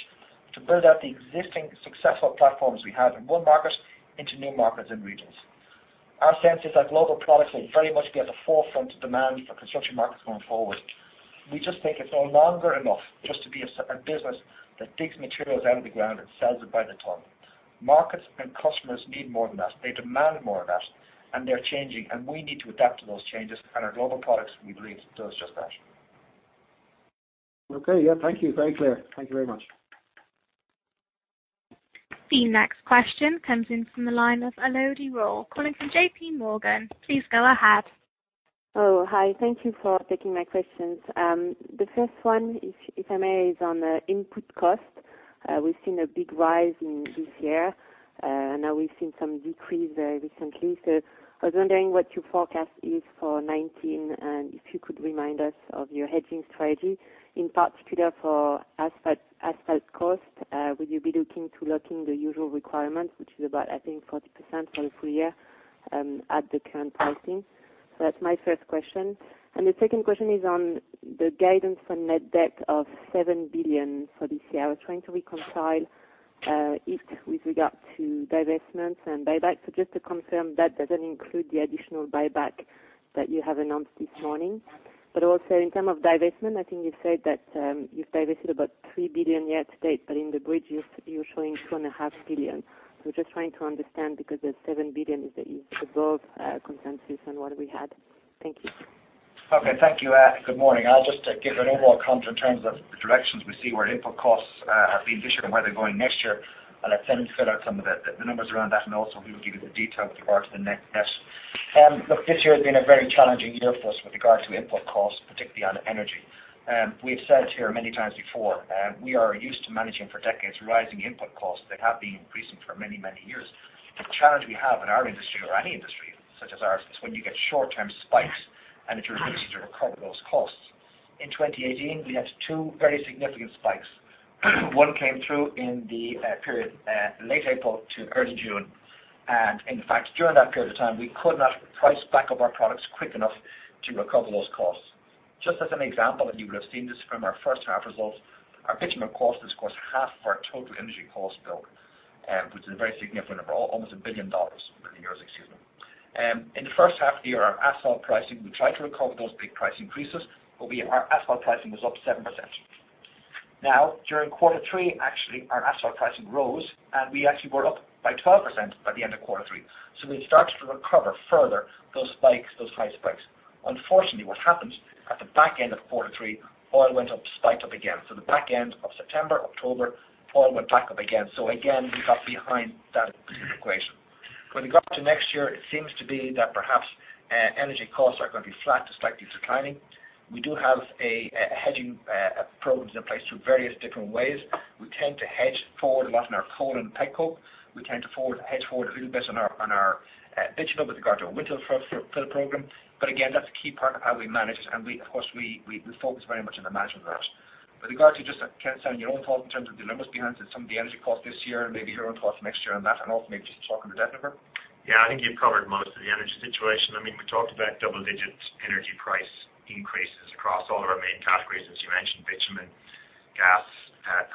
to build out the existing successful platforms we have in one market into new markets and regions. Our sense is that global products will very much be at the forefront of demand for construction markets going forward. We just think it's no longer enough just to be a business that digs materials out of the ground and sells it by the ton. Markets and customers need more than that. They demand more than that, and they're changing, and we need to adapt to those changes, and our global products, we believe, does just that. Okay. Yeah, thank you. Very clear. Thank you very much. The next question comes in from the line of Elodie Rall calling from JPMorgan. Please go ahead. Oh, hi. Thank you for taking my questions. The first one, if I may, is on the input cost. We've seen a big rise in this year. Now we've seen some decrease very recently. I was wondering what your forecast is for 2019 and if you could remind us of your hedging strategy, in particular for asphalt cost. Will you be looking to locking the usual requirement, which is about, I think, 40% for the full year, at the current pricing? That's my first question. The second question is on the guidance on net debt of 7 billion for this year. I was trying to reconcile it with regard to divestments and buybacks. Just to confirm, that doesn't include the additional buyback that you have announced this morning. Also, in term of divestment, I think you said that you've divested about 3 billion year to date, but in the bridge, you're showing 2.5 billion. Just trying to understand because the 7 billion is above consensus on what we had. Thank you. Okay. Thank you. Good morning. I'll just give an overall comment in terms of the directions we see where input costs have been this year and where they're going next year. I'll let Senan fill out some of the numbers around that, and also he will give you the detail with regard to the net. This year has been a very challenging year for us with regard to input costs, particularly on energy. We have said it here many times before. We are used to managing for decades rising input costs that have been increasing for many, many years. The challenge we have in our industry or any industry such as ours is when you get short-term spikes and if you're able to recover those costs. In 2018, we had two very significant spikes. One came through in the period late April to early June. In fact, during that period of time, we could not price back up our products quick enough to recover those costs. Just as an example, and you would've seen this from our first half results, our bitumen cost, of course, half of our total energy cost bill, which is a very significant number, almost EUR 1 billion, excuse me. In the first half of the year, our asphalt pricing, we tried to recover those big price increases, but our asphalt pricing was up 7%. During quarter three, actually, our asphalt pricing rose, and we actually were up by 12% by the end of quarter three. We started to recover further those spikes, those high spikes. Unfortunately, what happened, at the back end of quarter three, oil went up, spiked up again. The back end of September, October, oil went back up again. Again, we got behind that equation. When we got to next year, it seems to be that perhaps energy costs are going to be flat to slightly declining. We do have a hedging program that applies through various different ways. We tend to hedge forward a lot on our coal and pet coke. We tend to hedge forward a little bit on our bitumen with regard to a winter filler program. Again, that's a key part of how we manage, and of course, we focus very much on the management of that. With regard to just, Senan, saying your own thoughts in terms of the numbers behind some of the energy costs this year and maybe your own thoughts next year on that, and also maybe just talk on the debt number. Yeah, I think you've covered most of the energy situation. We talked about double-digit energy price increases across all of our main categories, as you mentioned, bitumen, gas,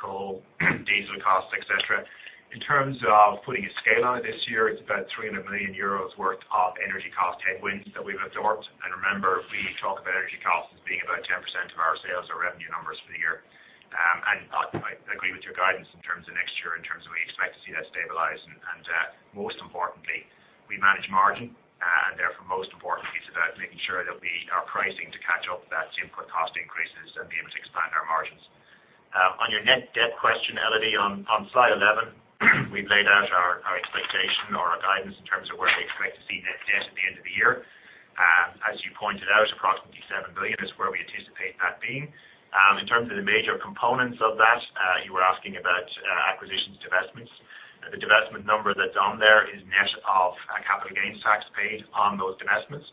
coal, diesel costs, et cetera. In terms of putting a scale on it this year, it's about 300 million euros worth of energy cost headwinds that we've absorbed. Remember, we talk about energy costs as being about 10% of our sales or revenue numbers for the year. I agree with your guidance in terms of next year, in terms of we expect to see that stabilized. Most importantly, we manage margin, and therefore, most importantly, it's about making sure that we are pricing to catch up that input cost increases and be able to expand our margins. On your net debt question, Elodie, on slide 11, we've laid out our expectation or our guidance in terms of where we expect to see net debt at the end of the year. As you pointed out, approximately 7 billion is where we anticipate that being. In terms of the major components of that, you were asking about acquisitions, divestments. The divestment number that's on there is net of capital gains tax paid on those divestments,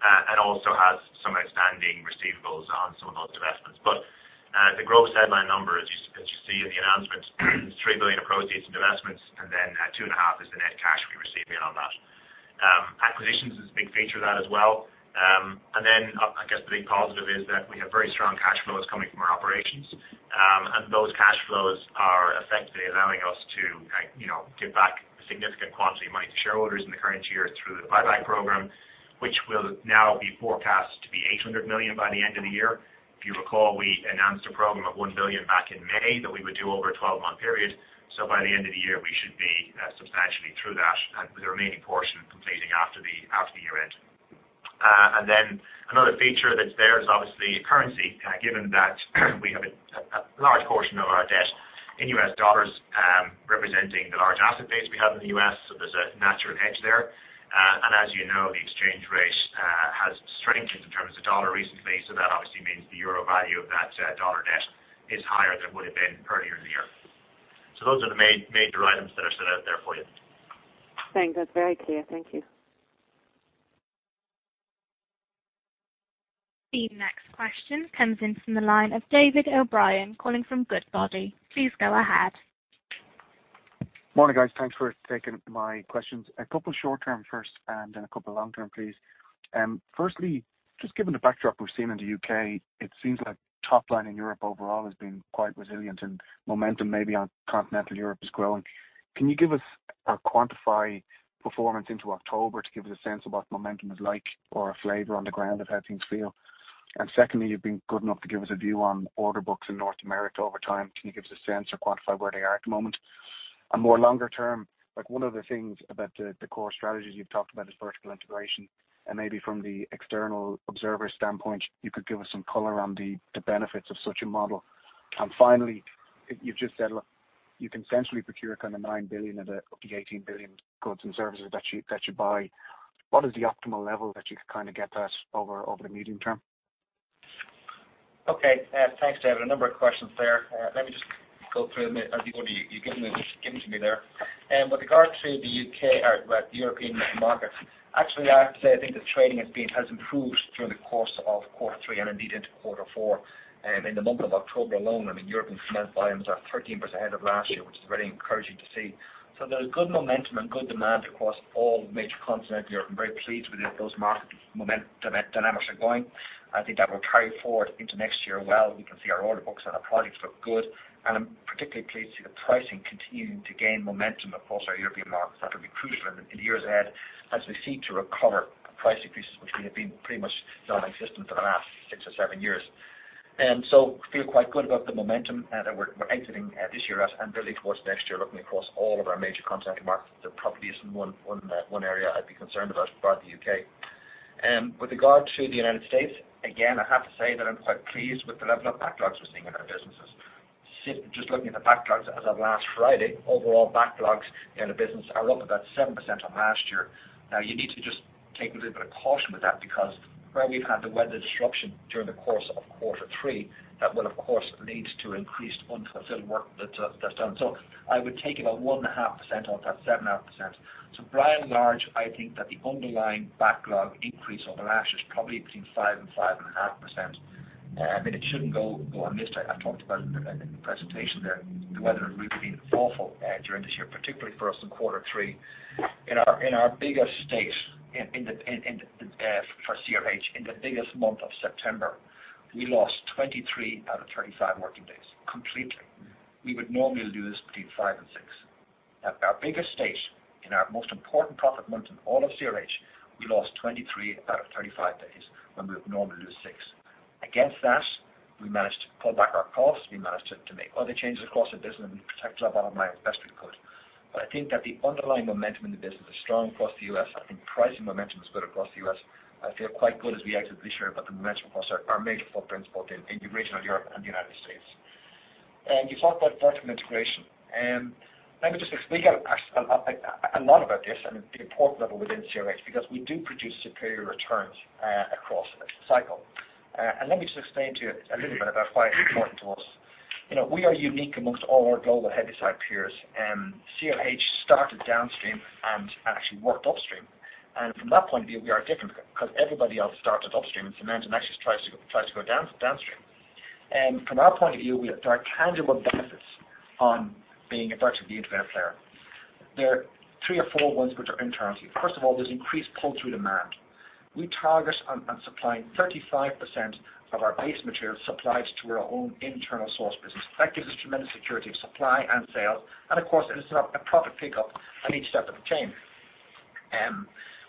and also has some outstanding receivables on some of those divestments. The gross headline number, as you see in the announcements, is 3 billion of proceeds and divestments, and then 2.5 billion is the net cash we receive in on that. Acquisitions is a big feature of that as well. I guess the big positive is that we have very strong cash flows coming from our operations. Those cash flows are effectively allowing us to give back a significant quantity of money to shareholders in the current year through the buyback program, which will now be forecast to be 800 million by the end of the year. If you recall, we announced a program of 1 billion back in May that we would do over a 12-month period. By the end of the year, we should be substantially through that and with the remaining portion completing after the year-end. Another feature that's there is obviously currency, given that we have a large portion of our debt in U.S. dollars, representing the large asset base we have in the U.S., there's a natural hedge there. As you know, the exchange rate has strengthened in terms of the dollar recently, that obviously means the euro value of that dollar debt is higher than would have been earlier in the year. Those are the major items that are set out there for you. Thanks. That's very clear. Thank you. The next question comes in from the line of David O'Brien, calling from Goodbody. Please go ahead. Morning, guys. Thanks for taking my questions. A couple short term first and then a couple of long term, please. Firstly, just given the backdrop we've seen in the U.K., it seems like top line in Europe overall has been quite resilient and momentum maybe on continental Europe is growing. Can you give us or quantify performance into October to give us a sense of what the momentum is like or a flavor on the ground of how things feel? Secondly, you've been good enough to give us a view on order books in North America over time. Can you give us a sense or quantify where they are at the moment? More longer term, one of the things about the core strategies you've talked about is vertical integration, and maybe from the external observer standpoint, you could give us some color on the benefits of such a model. Finally, you've just said, look, you can centrally procure kind of 9 billion of the up to 18 billion goods and services that you buy. What is the optimal level that you could kind of get that over the medium term? Okay. Thanks, David. A number of questions there. Let me just go through them as you go, you've given them to me there. With regard to the U.K. or, well, European markets, actually, I have to say, I think the trading has improved through the course of quarter three and indeed into quarter four. In the month of October alone, European cement volumes are 13% ahead of last year, which is very encouraging to see. There's good momentum and good demand across all major continental Europe. I'm very pleased with those market dynamics are going. I think that will carry forward into next year well. We can see our order books and our projects look good. I'm particularly pleased to see the pricing continuing to gain momentum across our European markets. That'll be crucial in the years ahead as we seek to recover price increases, which have been pretty much nonexistent for the last six or seven years. Feel quite good about the momentum that we're exiting this year at and building towards next year, looking across all of our major continental markets. There probably isn't one area I'd be concerned about apart the U.K. With regard to the United States, again, I have to say that I'm quite pleased with the level of backlogs we're seeing in our businesses. Just looking at the backlogs as of last Friday, overall backlogs in the business are up about 7% on last year. Now, you need to just take a little bit of caution with that because where we've had the weather disruption during the course of quarter three, that will, of course, lead to increased unfulfilled work that's done. I would take about 1.5% off that 7.5%. By and large, I think that the underlying backlog increase over last year is probably between 5% and 5.5%. It shouldn't go unnoticed. I've talked about it in the presentation there. The weather has really been awful during this year, particularly for us in quarter three. In our biggest state for CRH, in the biggest month of September, we lost 23 out of 35 working days completely. We would normally lose between five and six. At our biggest state, in our most important profit month in all of CRH, we lost 23 out of 35 days when we would normally lose six. Against that, we managed to pull back our costs, we managed to make other changes across the business and protect that bottom line as best we could. I think that the underlying momentum in the business is strong across the U.S. I think pricing momentum is good across the U.S. I feel quite good as we exit this year about the momentum across our major footprints, both in regional Europe and the United States. You talked about vertical integration. Let me just explain a lot about this and the importance of it within CRH, because we do produce superior returns across the cycle. Let me just explain to you a little bit about why it's important to us. We are unique amongst all our global heavyside peers. CRH started downstream and actually worked upstream. From that point of view, we are different because everybody else started upstream and cement and actually tries to go downstream. From our point of view, there are tangible benefits on being a vertically integrated player. There are three or four ones which are internally. First of all, there's increased pull-through demand. We target on supplying 35% of our base material supplies to our own internal source business. That gives us tremendous security of supply and sales, and of course, it is a profit pickup at each step of the chain.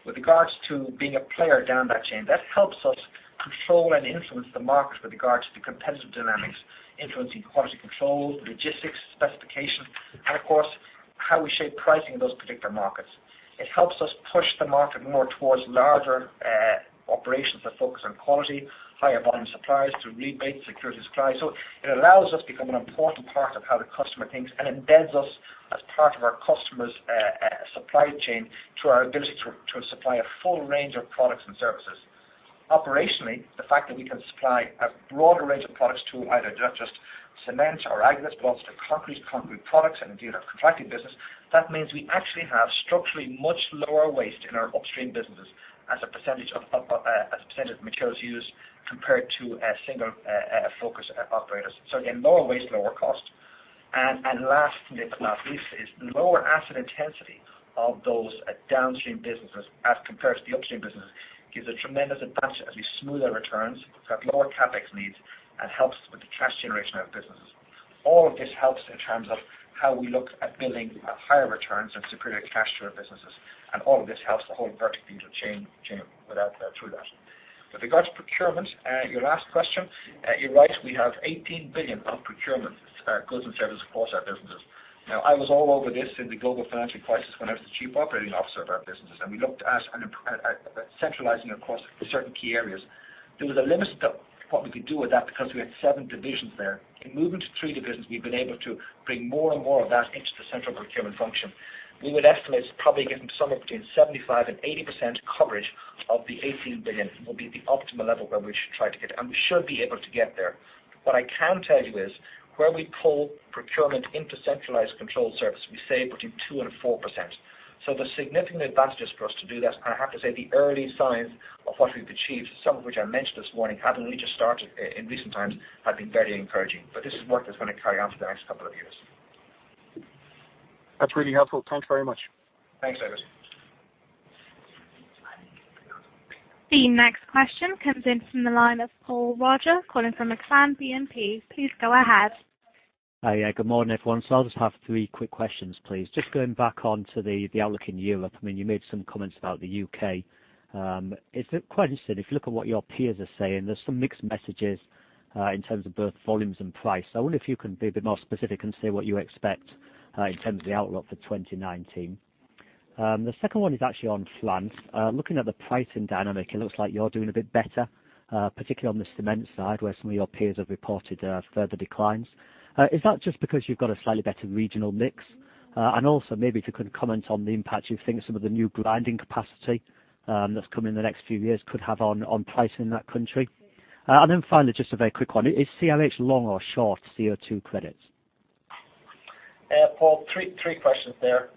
With regards to being a player down that chain, that helps us control and influence the market with regard to the competitive dynamics, influencing quality control, logistics, specification, and of course, how we shape pricing in those particular markets. It helps us push the market more towards larger operations that focus on quality, higher volume suppliers through rebates, security of supply. It allows us to become an important part of how the customer thinks and embeds us as part of our customer's supply chain through our ability to supply a full range of products and services. Operationally, the fact that we can supply a broader range of products to either not just cement or aggregates, but also to concrete products and indeed our contracting business, that means we actually have structurally much lower waste in our upstream businesses as a percentage of materials used compared to single-focus operators. Again, lower waste, lower cost. Last but not least is lower asset intensity of those downstream businesses as compared to the upstream businesses, gives a tremendous advantage as we smooth our returns, have lower CapEx needs, and helps with the cash generation of our businesses. All of this helps in terms of how we look at building higher returns and superior cash for our businesses. All of this helps the whole vertical chain through that. With regards to procurement, your last question, you're right, we have 18 billion of procurement goods and services across our businesses. I was all over this in the global financial crisis when I was the chief operating officer of our businesses, and we looked at centralizing across certain key areas. There was a limit to what we could do with that because we had seven divisions there. In moving to three divisions, we've been able to bring more and more of that into the central procurement function. We would estimate it's probably getting somewhere between 75% and 80% coverage of the 18 billion will be the optimal level where we should try to get. We should be able to get there. What I can tell you is where we pull procurement into centralized controlled service, we save between 2% and 4%. There's significant advantages for us to do that, and I have to say the early signs of what we've achieved, some of which I mentioned this morning, having really just started in recent times, have been very encouraging. This is work that's going to carry on for the next couple of years. That's really helpful. Thanks very much. Thanks, David. The next question comes in from the line of Paul Roger, calling from Exane BNP. Please go ahead. Hi. Yeah, good morning, everyone. I'll just have three quick questions, please. Just going back onto the outlook in Europe. You made some comments about the U.K. It's quite interesting, if you look at what your peers are saying, there's some mixed messages in terms of both volumes and price. I wonder if you can be a bit more specific and say what you expect in terms of the outlook for 2019. The second one is actually on France. Looking at the pricing dynamic, it looks like you're doing a bit better, particularly on the cement side, where some of your peers have reported further declines. Is that just because you've got a slightly better regional mix? Also, maybe if you could comment on the impact you think some of the new grinding capacity that's coming in the next few years could have on pricing in that country. Finally, just a very quick one. Is CRH long or short CO2 credits? Paul, three questions there.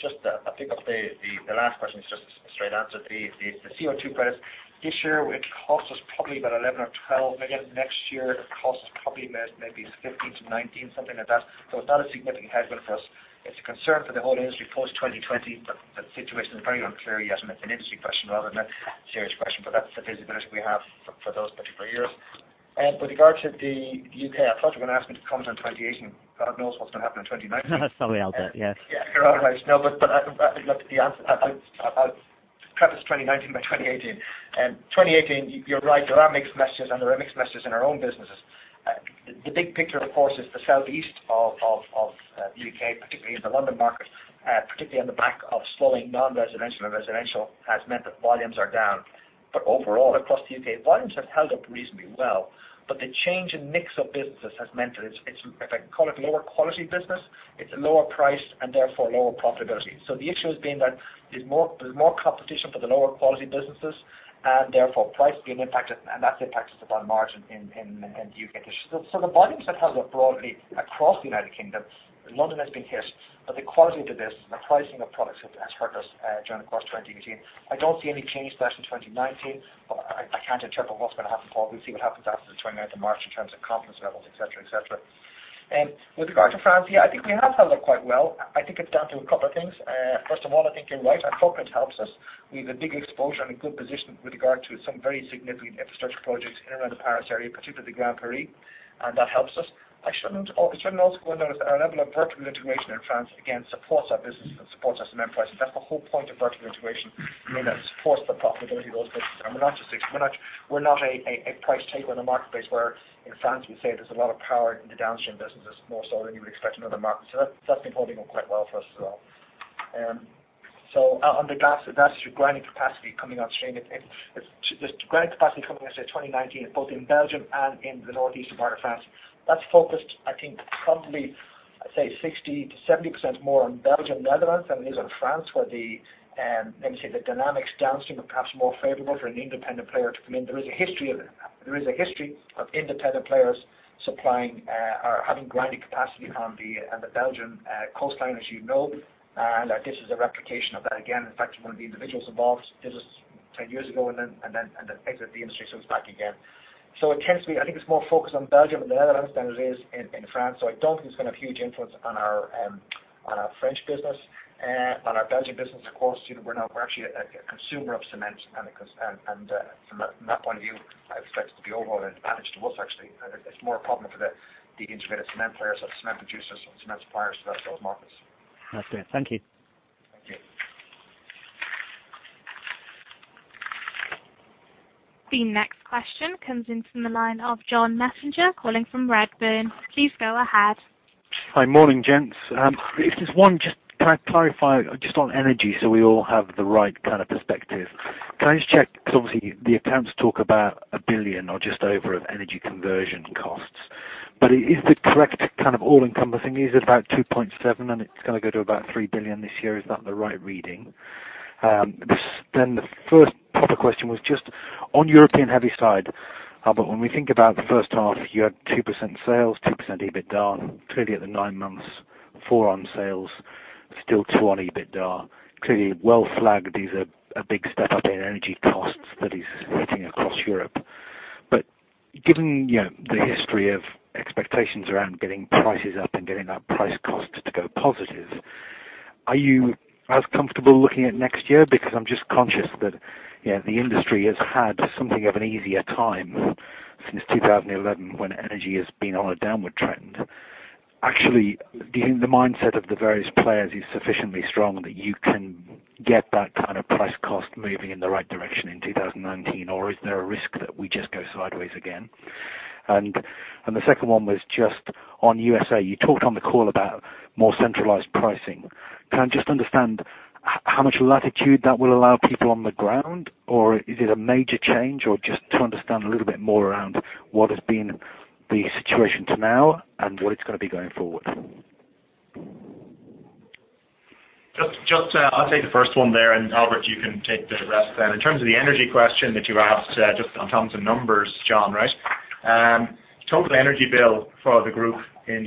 Just to pick up the last question, it's just a straight answer. The CO2 credits, this year it cost us probably about 11 million or 12 million. Next year, it costs probably maybe 15 million-19 million, something like that. It's not a significant headwind for us. It's a concern for the whole industry post 2020, the situation is very unclear yet, and it's an industry question rather than a CRH question. That's the visibility we have for those particular years. With regard to the U.K., I thought you were going to ask me to comment on 2018. God knows what's going to happen in 2019. Sorry about that, yeah. Yeah. You're right. I'll preface 2019 by 2018. 2018, you're right. There are mixed messages, and there are mixed messages in our own businesses. The big picture, of course, is the southeast of U.K., particularly in the London market, particularly on the back of slowing non-residential and residential, has meant that volumes are down. Overall, across the U.K., volumes have held up reasonably well. The change in mix of businesses has meant that, if I can call it lower quality business, it's lower priced and therefore lower profitability. The issue has been that there's more competition for the lower quality businesses and therefore price is being impacted, and that's impacted upon margin in the U.K. The volumes have held up broadly across the United Kingdom. London has been hit. The quality of the business and the pricing of products has hurt us during the course of 2018. I don't see any change to that in 2019, but I can't interpret what's going to happen, Paul. We'll see what happens after the 29th of March in terms of confidence levels, et cetera. With regard to France, yeah, I think we have held up quite well. I think it's down to a couple of things. First of all, I think you're right. Our footprint helps us. We have a big exposure and a good position with regard to some very significant infrastructure projects in and around the Paris area, particularly Grand Paris, that helps us. I shouldn't also go without, our level of vertical integration in France, again, supports our business and supports our cement prices. That's the whole point of vertical integration, being that it supports the profitability of those businesses. We're not a price taker in the marketplace where in France we say there's a lot of power in the downstream businesses, more so than you would expect in other markets. That's been holding up quite well for us as well. On the gas, that's your grinding capacity coming on stream. There's grinding capacity coming in, say, 2019, both in Belgium and in the northeastern part of France. That's focused, I think, probably, I'd say 60%-70% more on Belgium, Netherlands, than it is on France, where the, how do you say, the dynamics downstream are perhaps more favorable for an independent player to come in. There is a history of independent players supplying or having grinding capacity on the Belgian coastline, as you know. This is a replication of that again. In fact, one of the individuals involved did his 10 years ago and then exit the industry, it's back again. I think it's more focused on Belgium and the Netherlands than it is in France, I don't think it's going to have huge influence on our French business. On our Belgian business, of course, we're now actually a consumer of cement, and from that point of view, I expect it to be overall an advantage to us, actually. It's more a problem for the integrated cement players, like cement producers and cement suppliers to those markets. That's good. Thank you. Thank you. The next question comes in from the line of John Messenger, calling from Redburn. Please go ahead. Hi. Morning, gents. If there's one, just can I clarify just on energy so we all have the right kind of perspective? Can I just check, because obviously the accounts talk about 1 billion or just over of energy conversion costs, but is the correct kind of all encompassing, is it about 2.7 billion and it's going to go to about 3 billion this year? Is that the right reading? The first proper question was just on European heavy side, Albert, when we think about the first half, you had 2% sales, 2% EBITDA, clearly at the nine months, 4% on sales, still 2% on EBITDA. Clearly well flagged, these are a big step-up in energy costs that is hitting across Europe. Given the history of expectations around getting prices up and getting that price cost to go positive, are you as comfortable looking at next year? I'm just conscious that the industry has had something of an easier time since 2011 when energy has been on a downward trend. Actually, do you think the mindset of the various players is sufficiently strong that you can get that kind of price cost moving in the right direction in 2019, or is there a risk that we just go sideways again? The second one was just on U.S.A., you talked on the call about more centralized pricing. Can I just understand how much latitude that will allow people on the ground, or is it a major change, or just to understand a little bit more around what has been the situation to now and what it's going to be going forward? I'll take the first one there, and Albert, you can take the rest then. In terms of the energy question that you asked, just in terms of numbers, John, right? Total energy bill for the group in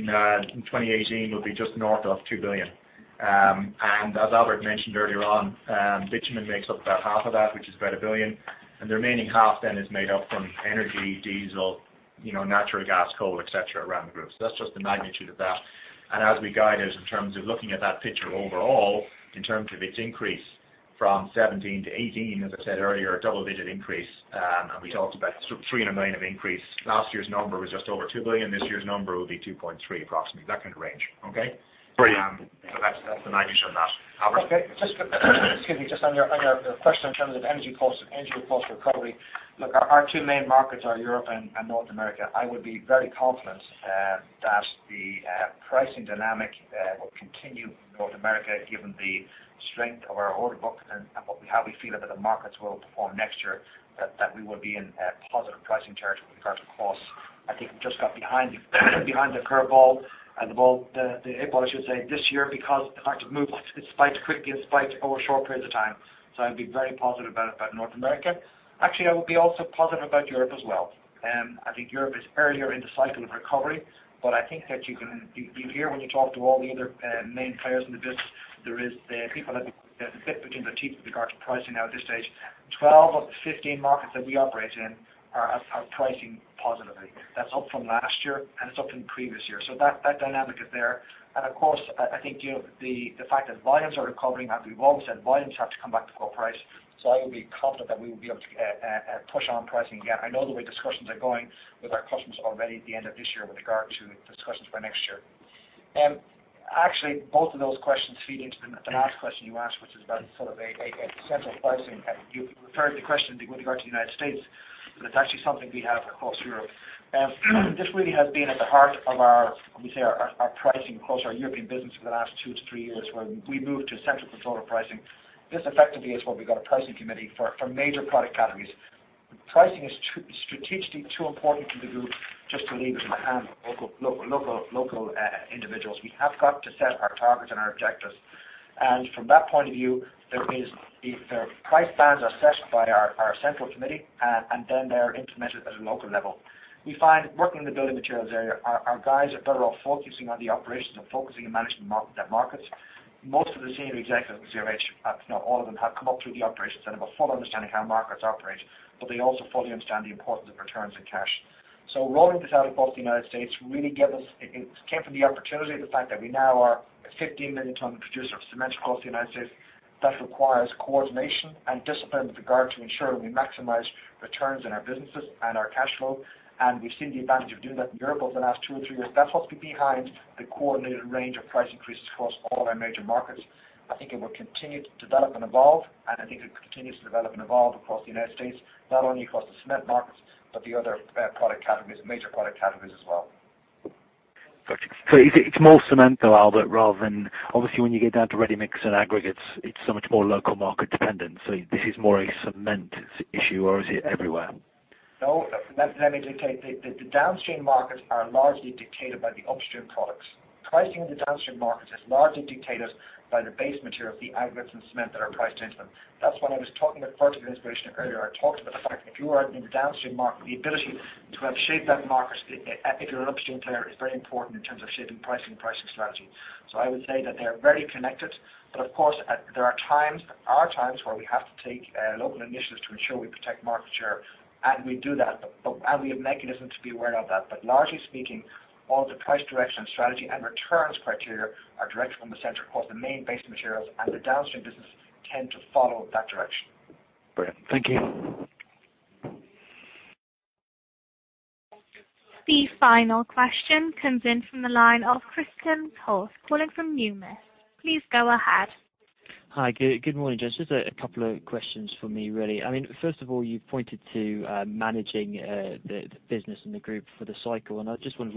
2018 will be just north of 2 billion. As Albert mentioned earlier on, bitumen makes up about half of that, which is about 1 billion, and the remaining half then is made up from energy, diesel, natural gas, coal, et cetera, around the group. That's just the magnitude of that. As we guided in terms of looking at that picture overall, in terms of its increase from 2017 to 2018, as I said earlier, a double-digit increase, and we talked about 300 million of increase. Last year's number was just over 2 billion. This year's number will be 2.3 billion approximately. That kind of range. Okay? Brilliant. That's the magnitude on that. Albert? Okay. Excuse me. Just on your question in terms of energy cost recovery, look, our two main markets are Europe and North America. I would be very confident that the pricing dynamic will continue in North America, given the strength of our order book and what we feel that the markets will perform next year, that we will be in positive pricing territory with regard to costs. I think I just got behind the curve ball, the eight ball, I should say, this year, because the market moved, it spiked quickly and spiked over short periods of time. I'd be very positive about North America. Actually, I would be also positive about Europe as well. I think Europe is earlier in the cycle of recovery, I think that you hear when you talk to all the other main players in the business, there's a bit between their teeth with regard to pricing now at this stage. 12 of the 15 markets that we operate in are pricing positively. That's up from last year, and it's up from the previous year. That dynamic is there. Of course, I think the fact that volumes are recovering, as we've always said, volumes have to come back before price. I would be confident that we will be able to push on pricing again. I know the way discussions are going with our customers already at the end of this year with regard to discussions for next year. Actually, both of those questions feed into the last question you asked, which is about sort of a central pricing. You referred to the question with regard to the United States, it's actually something we have across Europe. This really has been at the heart of our, we say our pricing across our European business for the last two to three years, where we moved to central controller pricing. This effectively is what we call a pricing committee for major product categories. Pricing is strategically too important to the group just to leave it in the hand of local individuals. We have got to set our targets and our objectives. From that point of view, that means the price bands are set by our central committee, and then they're implemented at a local level. We find working in the building materials area, our guys are better off focusing on the operations and focusing on managing their markets. Most of the senior executives at CRH, if not all of them, have come up through the operations and have a full understanding of how markets operate, but they also fully understand the importance of returns and cash. Rolling this out across the United States really gave us, it came from the opportunity of the fact that we now are a 15-million-ton producer of cement across the United States. That requires coordination and discipline with regard to ensuring we maximize returns in our businesses and our cash flow. We've seen the advantage of doing that in Europe over the last two or three years. That's what's behind the coordinated range of price increases across all our major markets. I think it will continue to develop and evolve, and I think it continues to develop and evolve across the United States, not only across the cement markets, but the other product categories, major product categories as well. Got you. It's more cement, though, Albert, rather than, obviously when you get down to ready mix and aggregates, it's so much more local market dependent. This is more a cement issue or is it everywhere? No. Let me dictate. The downstream markets are largely dictated by the upstream products. Pricing in the downstream markets is largely dictated by the base material, the aggregates and cement that are priced into them. That's when I was talking at the first of the presentation earlier, I talked about the fact that if you are in the downstream market, the ability to have shaped that market, if you're an upstream player, is very important in terms of shaping pricing strategy. I would say that they are very connected. Of course, there are times where we have to take local initiatives to ensure we protect market share, and we do that. We have mechanisms to be aware of that. Largely speaking, all the price direction, strategy, and returns criteria are directed from the center. Of course, the main base materials and the downstream business tend to follow that direction. Brilliant. Thank you. The final question comes in from the line of [Chris Millington] calling from Numis. Please go ahead. Hi. Good morning, gents. Just a couple of questions from me, really. First of all, you pointed to managing the business and the group for the cycle. I just wondered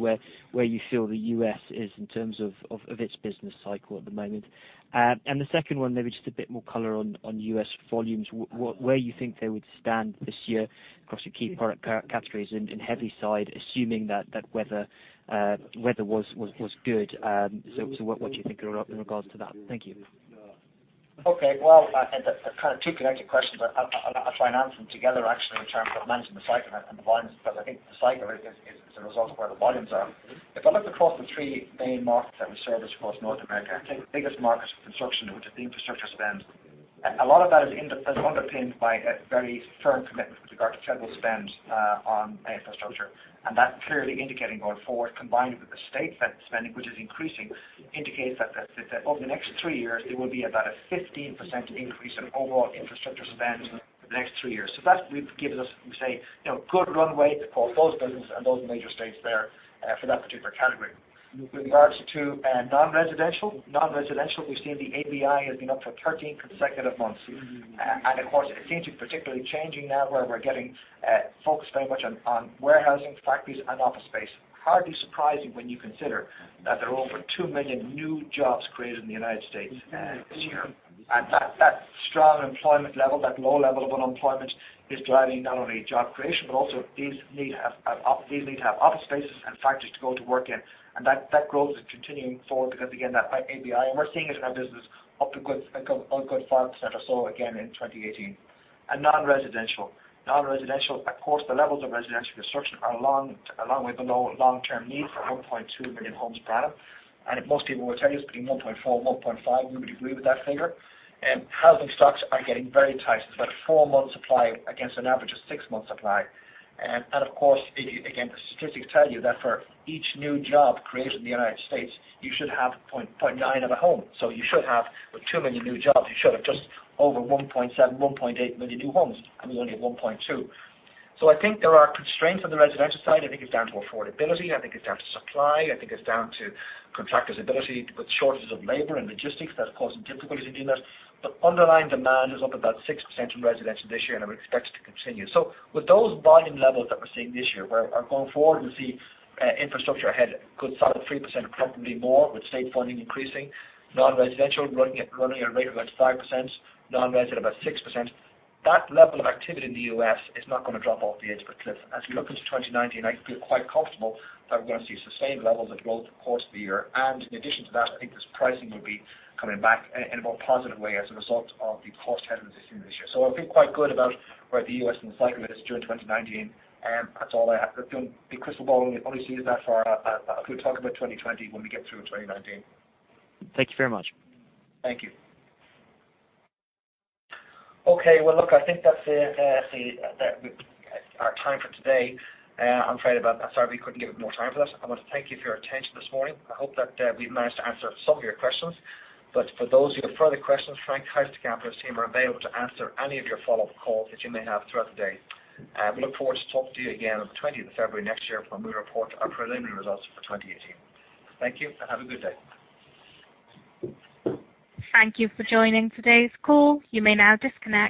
where you feel the U.S. is in terms of its business cycle at the moment. The second one, maybe just a bit more color on U.S. volumes, where you think they would stand this year across your key product categories and heavy side, assuming that weather was good. What do you think in regards to that? Thank you. Okay. Well, they're kind of two connected questions. I'll try and answer them together, actually, in terms of managing the cycle and the volumes, because I think the cycle is a result of where the volumes are. If I look across the three main markets that we service across North America, I think the biggest market is construction, which is the infrastructure spend. A lot of that is underpinned by a very firm commitment with regard to federal spend on infrastructure. That's clearly indicating going forward, combined with the state spending, which is increasing, indicates that over the next three years, there will be about a 15% increase in overall infrastructure spend for the next three years. That gives us, we say, good runway for those businesses and those major states there for that particular category. With regards to non-residential, we've seen the ABI has been up for 13 consecutive months. Of course, it seems to be particularly changing now where we're getting focused very much on warehousing, factories, and office space. Hardly surprising when you consider that there are over 2 million new jobs created in the United States this year. That strong employment level, that low level of unemployment, is driving not only job creation, but also these need to have office spaces and factories to go to work in. That growth is continuing forward because, again, that ABI, and we're seeing it in our business up to good starts that I saw again in 2018. Non-residential, of course, the levels of residential construction are a long way below long-term need for 1.2 million homes per annum. Most people will tell you it's between 1.4 million homes and 1.5 million homes. We would agree with that figure. Housing stocks are getting very tight. It's about a four-month supply against an average of six-month supply. Of course, again, the statistics tell you that for each new job created in the United States, you should have 0.9 of a home. You should have, with 2 million new jobs, you should have just over 1.7 million, 1.8 million new homes, and we only have 1.2 million. I think there are constraints on the residential side. I think it's down to affordability, I think it's down to supply, I think it's down to contractors' ability with shortages of labor and logistics that are causing difficulties in doing this. Underlying demand is up about 6% in residential this year, and it expects to continue. With those volume levels that we're seeing this year, where are going forward, we'll see infrastructure ahead, good solid 3%, probably more with state funding increasing, non-residential running at a rate of about 5%, non-res at about 6%. That level of activity in the U.S. is not going to drop off the edge of a cliff. As we look into 2019, I feel quite comfortable that we're going to see sustained levels of growth across the year. In addition to that, I think this pricing will be coming back in a more positive way as a result of the cost challenges seen this year. I feel quite good about where the U.S. and the cycle is during 2019. That's all I have. The crystal ball only sees that far. I could talk about 2020 when we get through 2019. Thank you very much. Thank you. Okay, well, look, I think that's our time for today. I'm afraid about that. Sorry, we couldn't give more time for that. I want to thank you for your attention this morning. I hope that we've managed to answer some of your questions. For those of you with further questions, Frank Heisterkamp and his team are available to answer any of your follow-up calls that you may have throughout the day. We look forward to talking to you again on the 20th of February next year when we report our preliminary results for 2018. Thank you and have a good day. Thank you for joining today's call. You may now disconnect.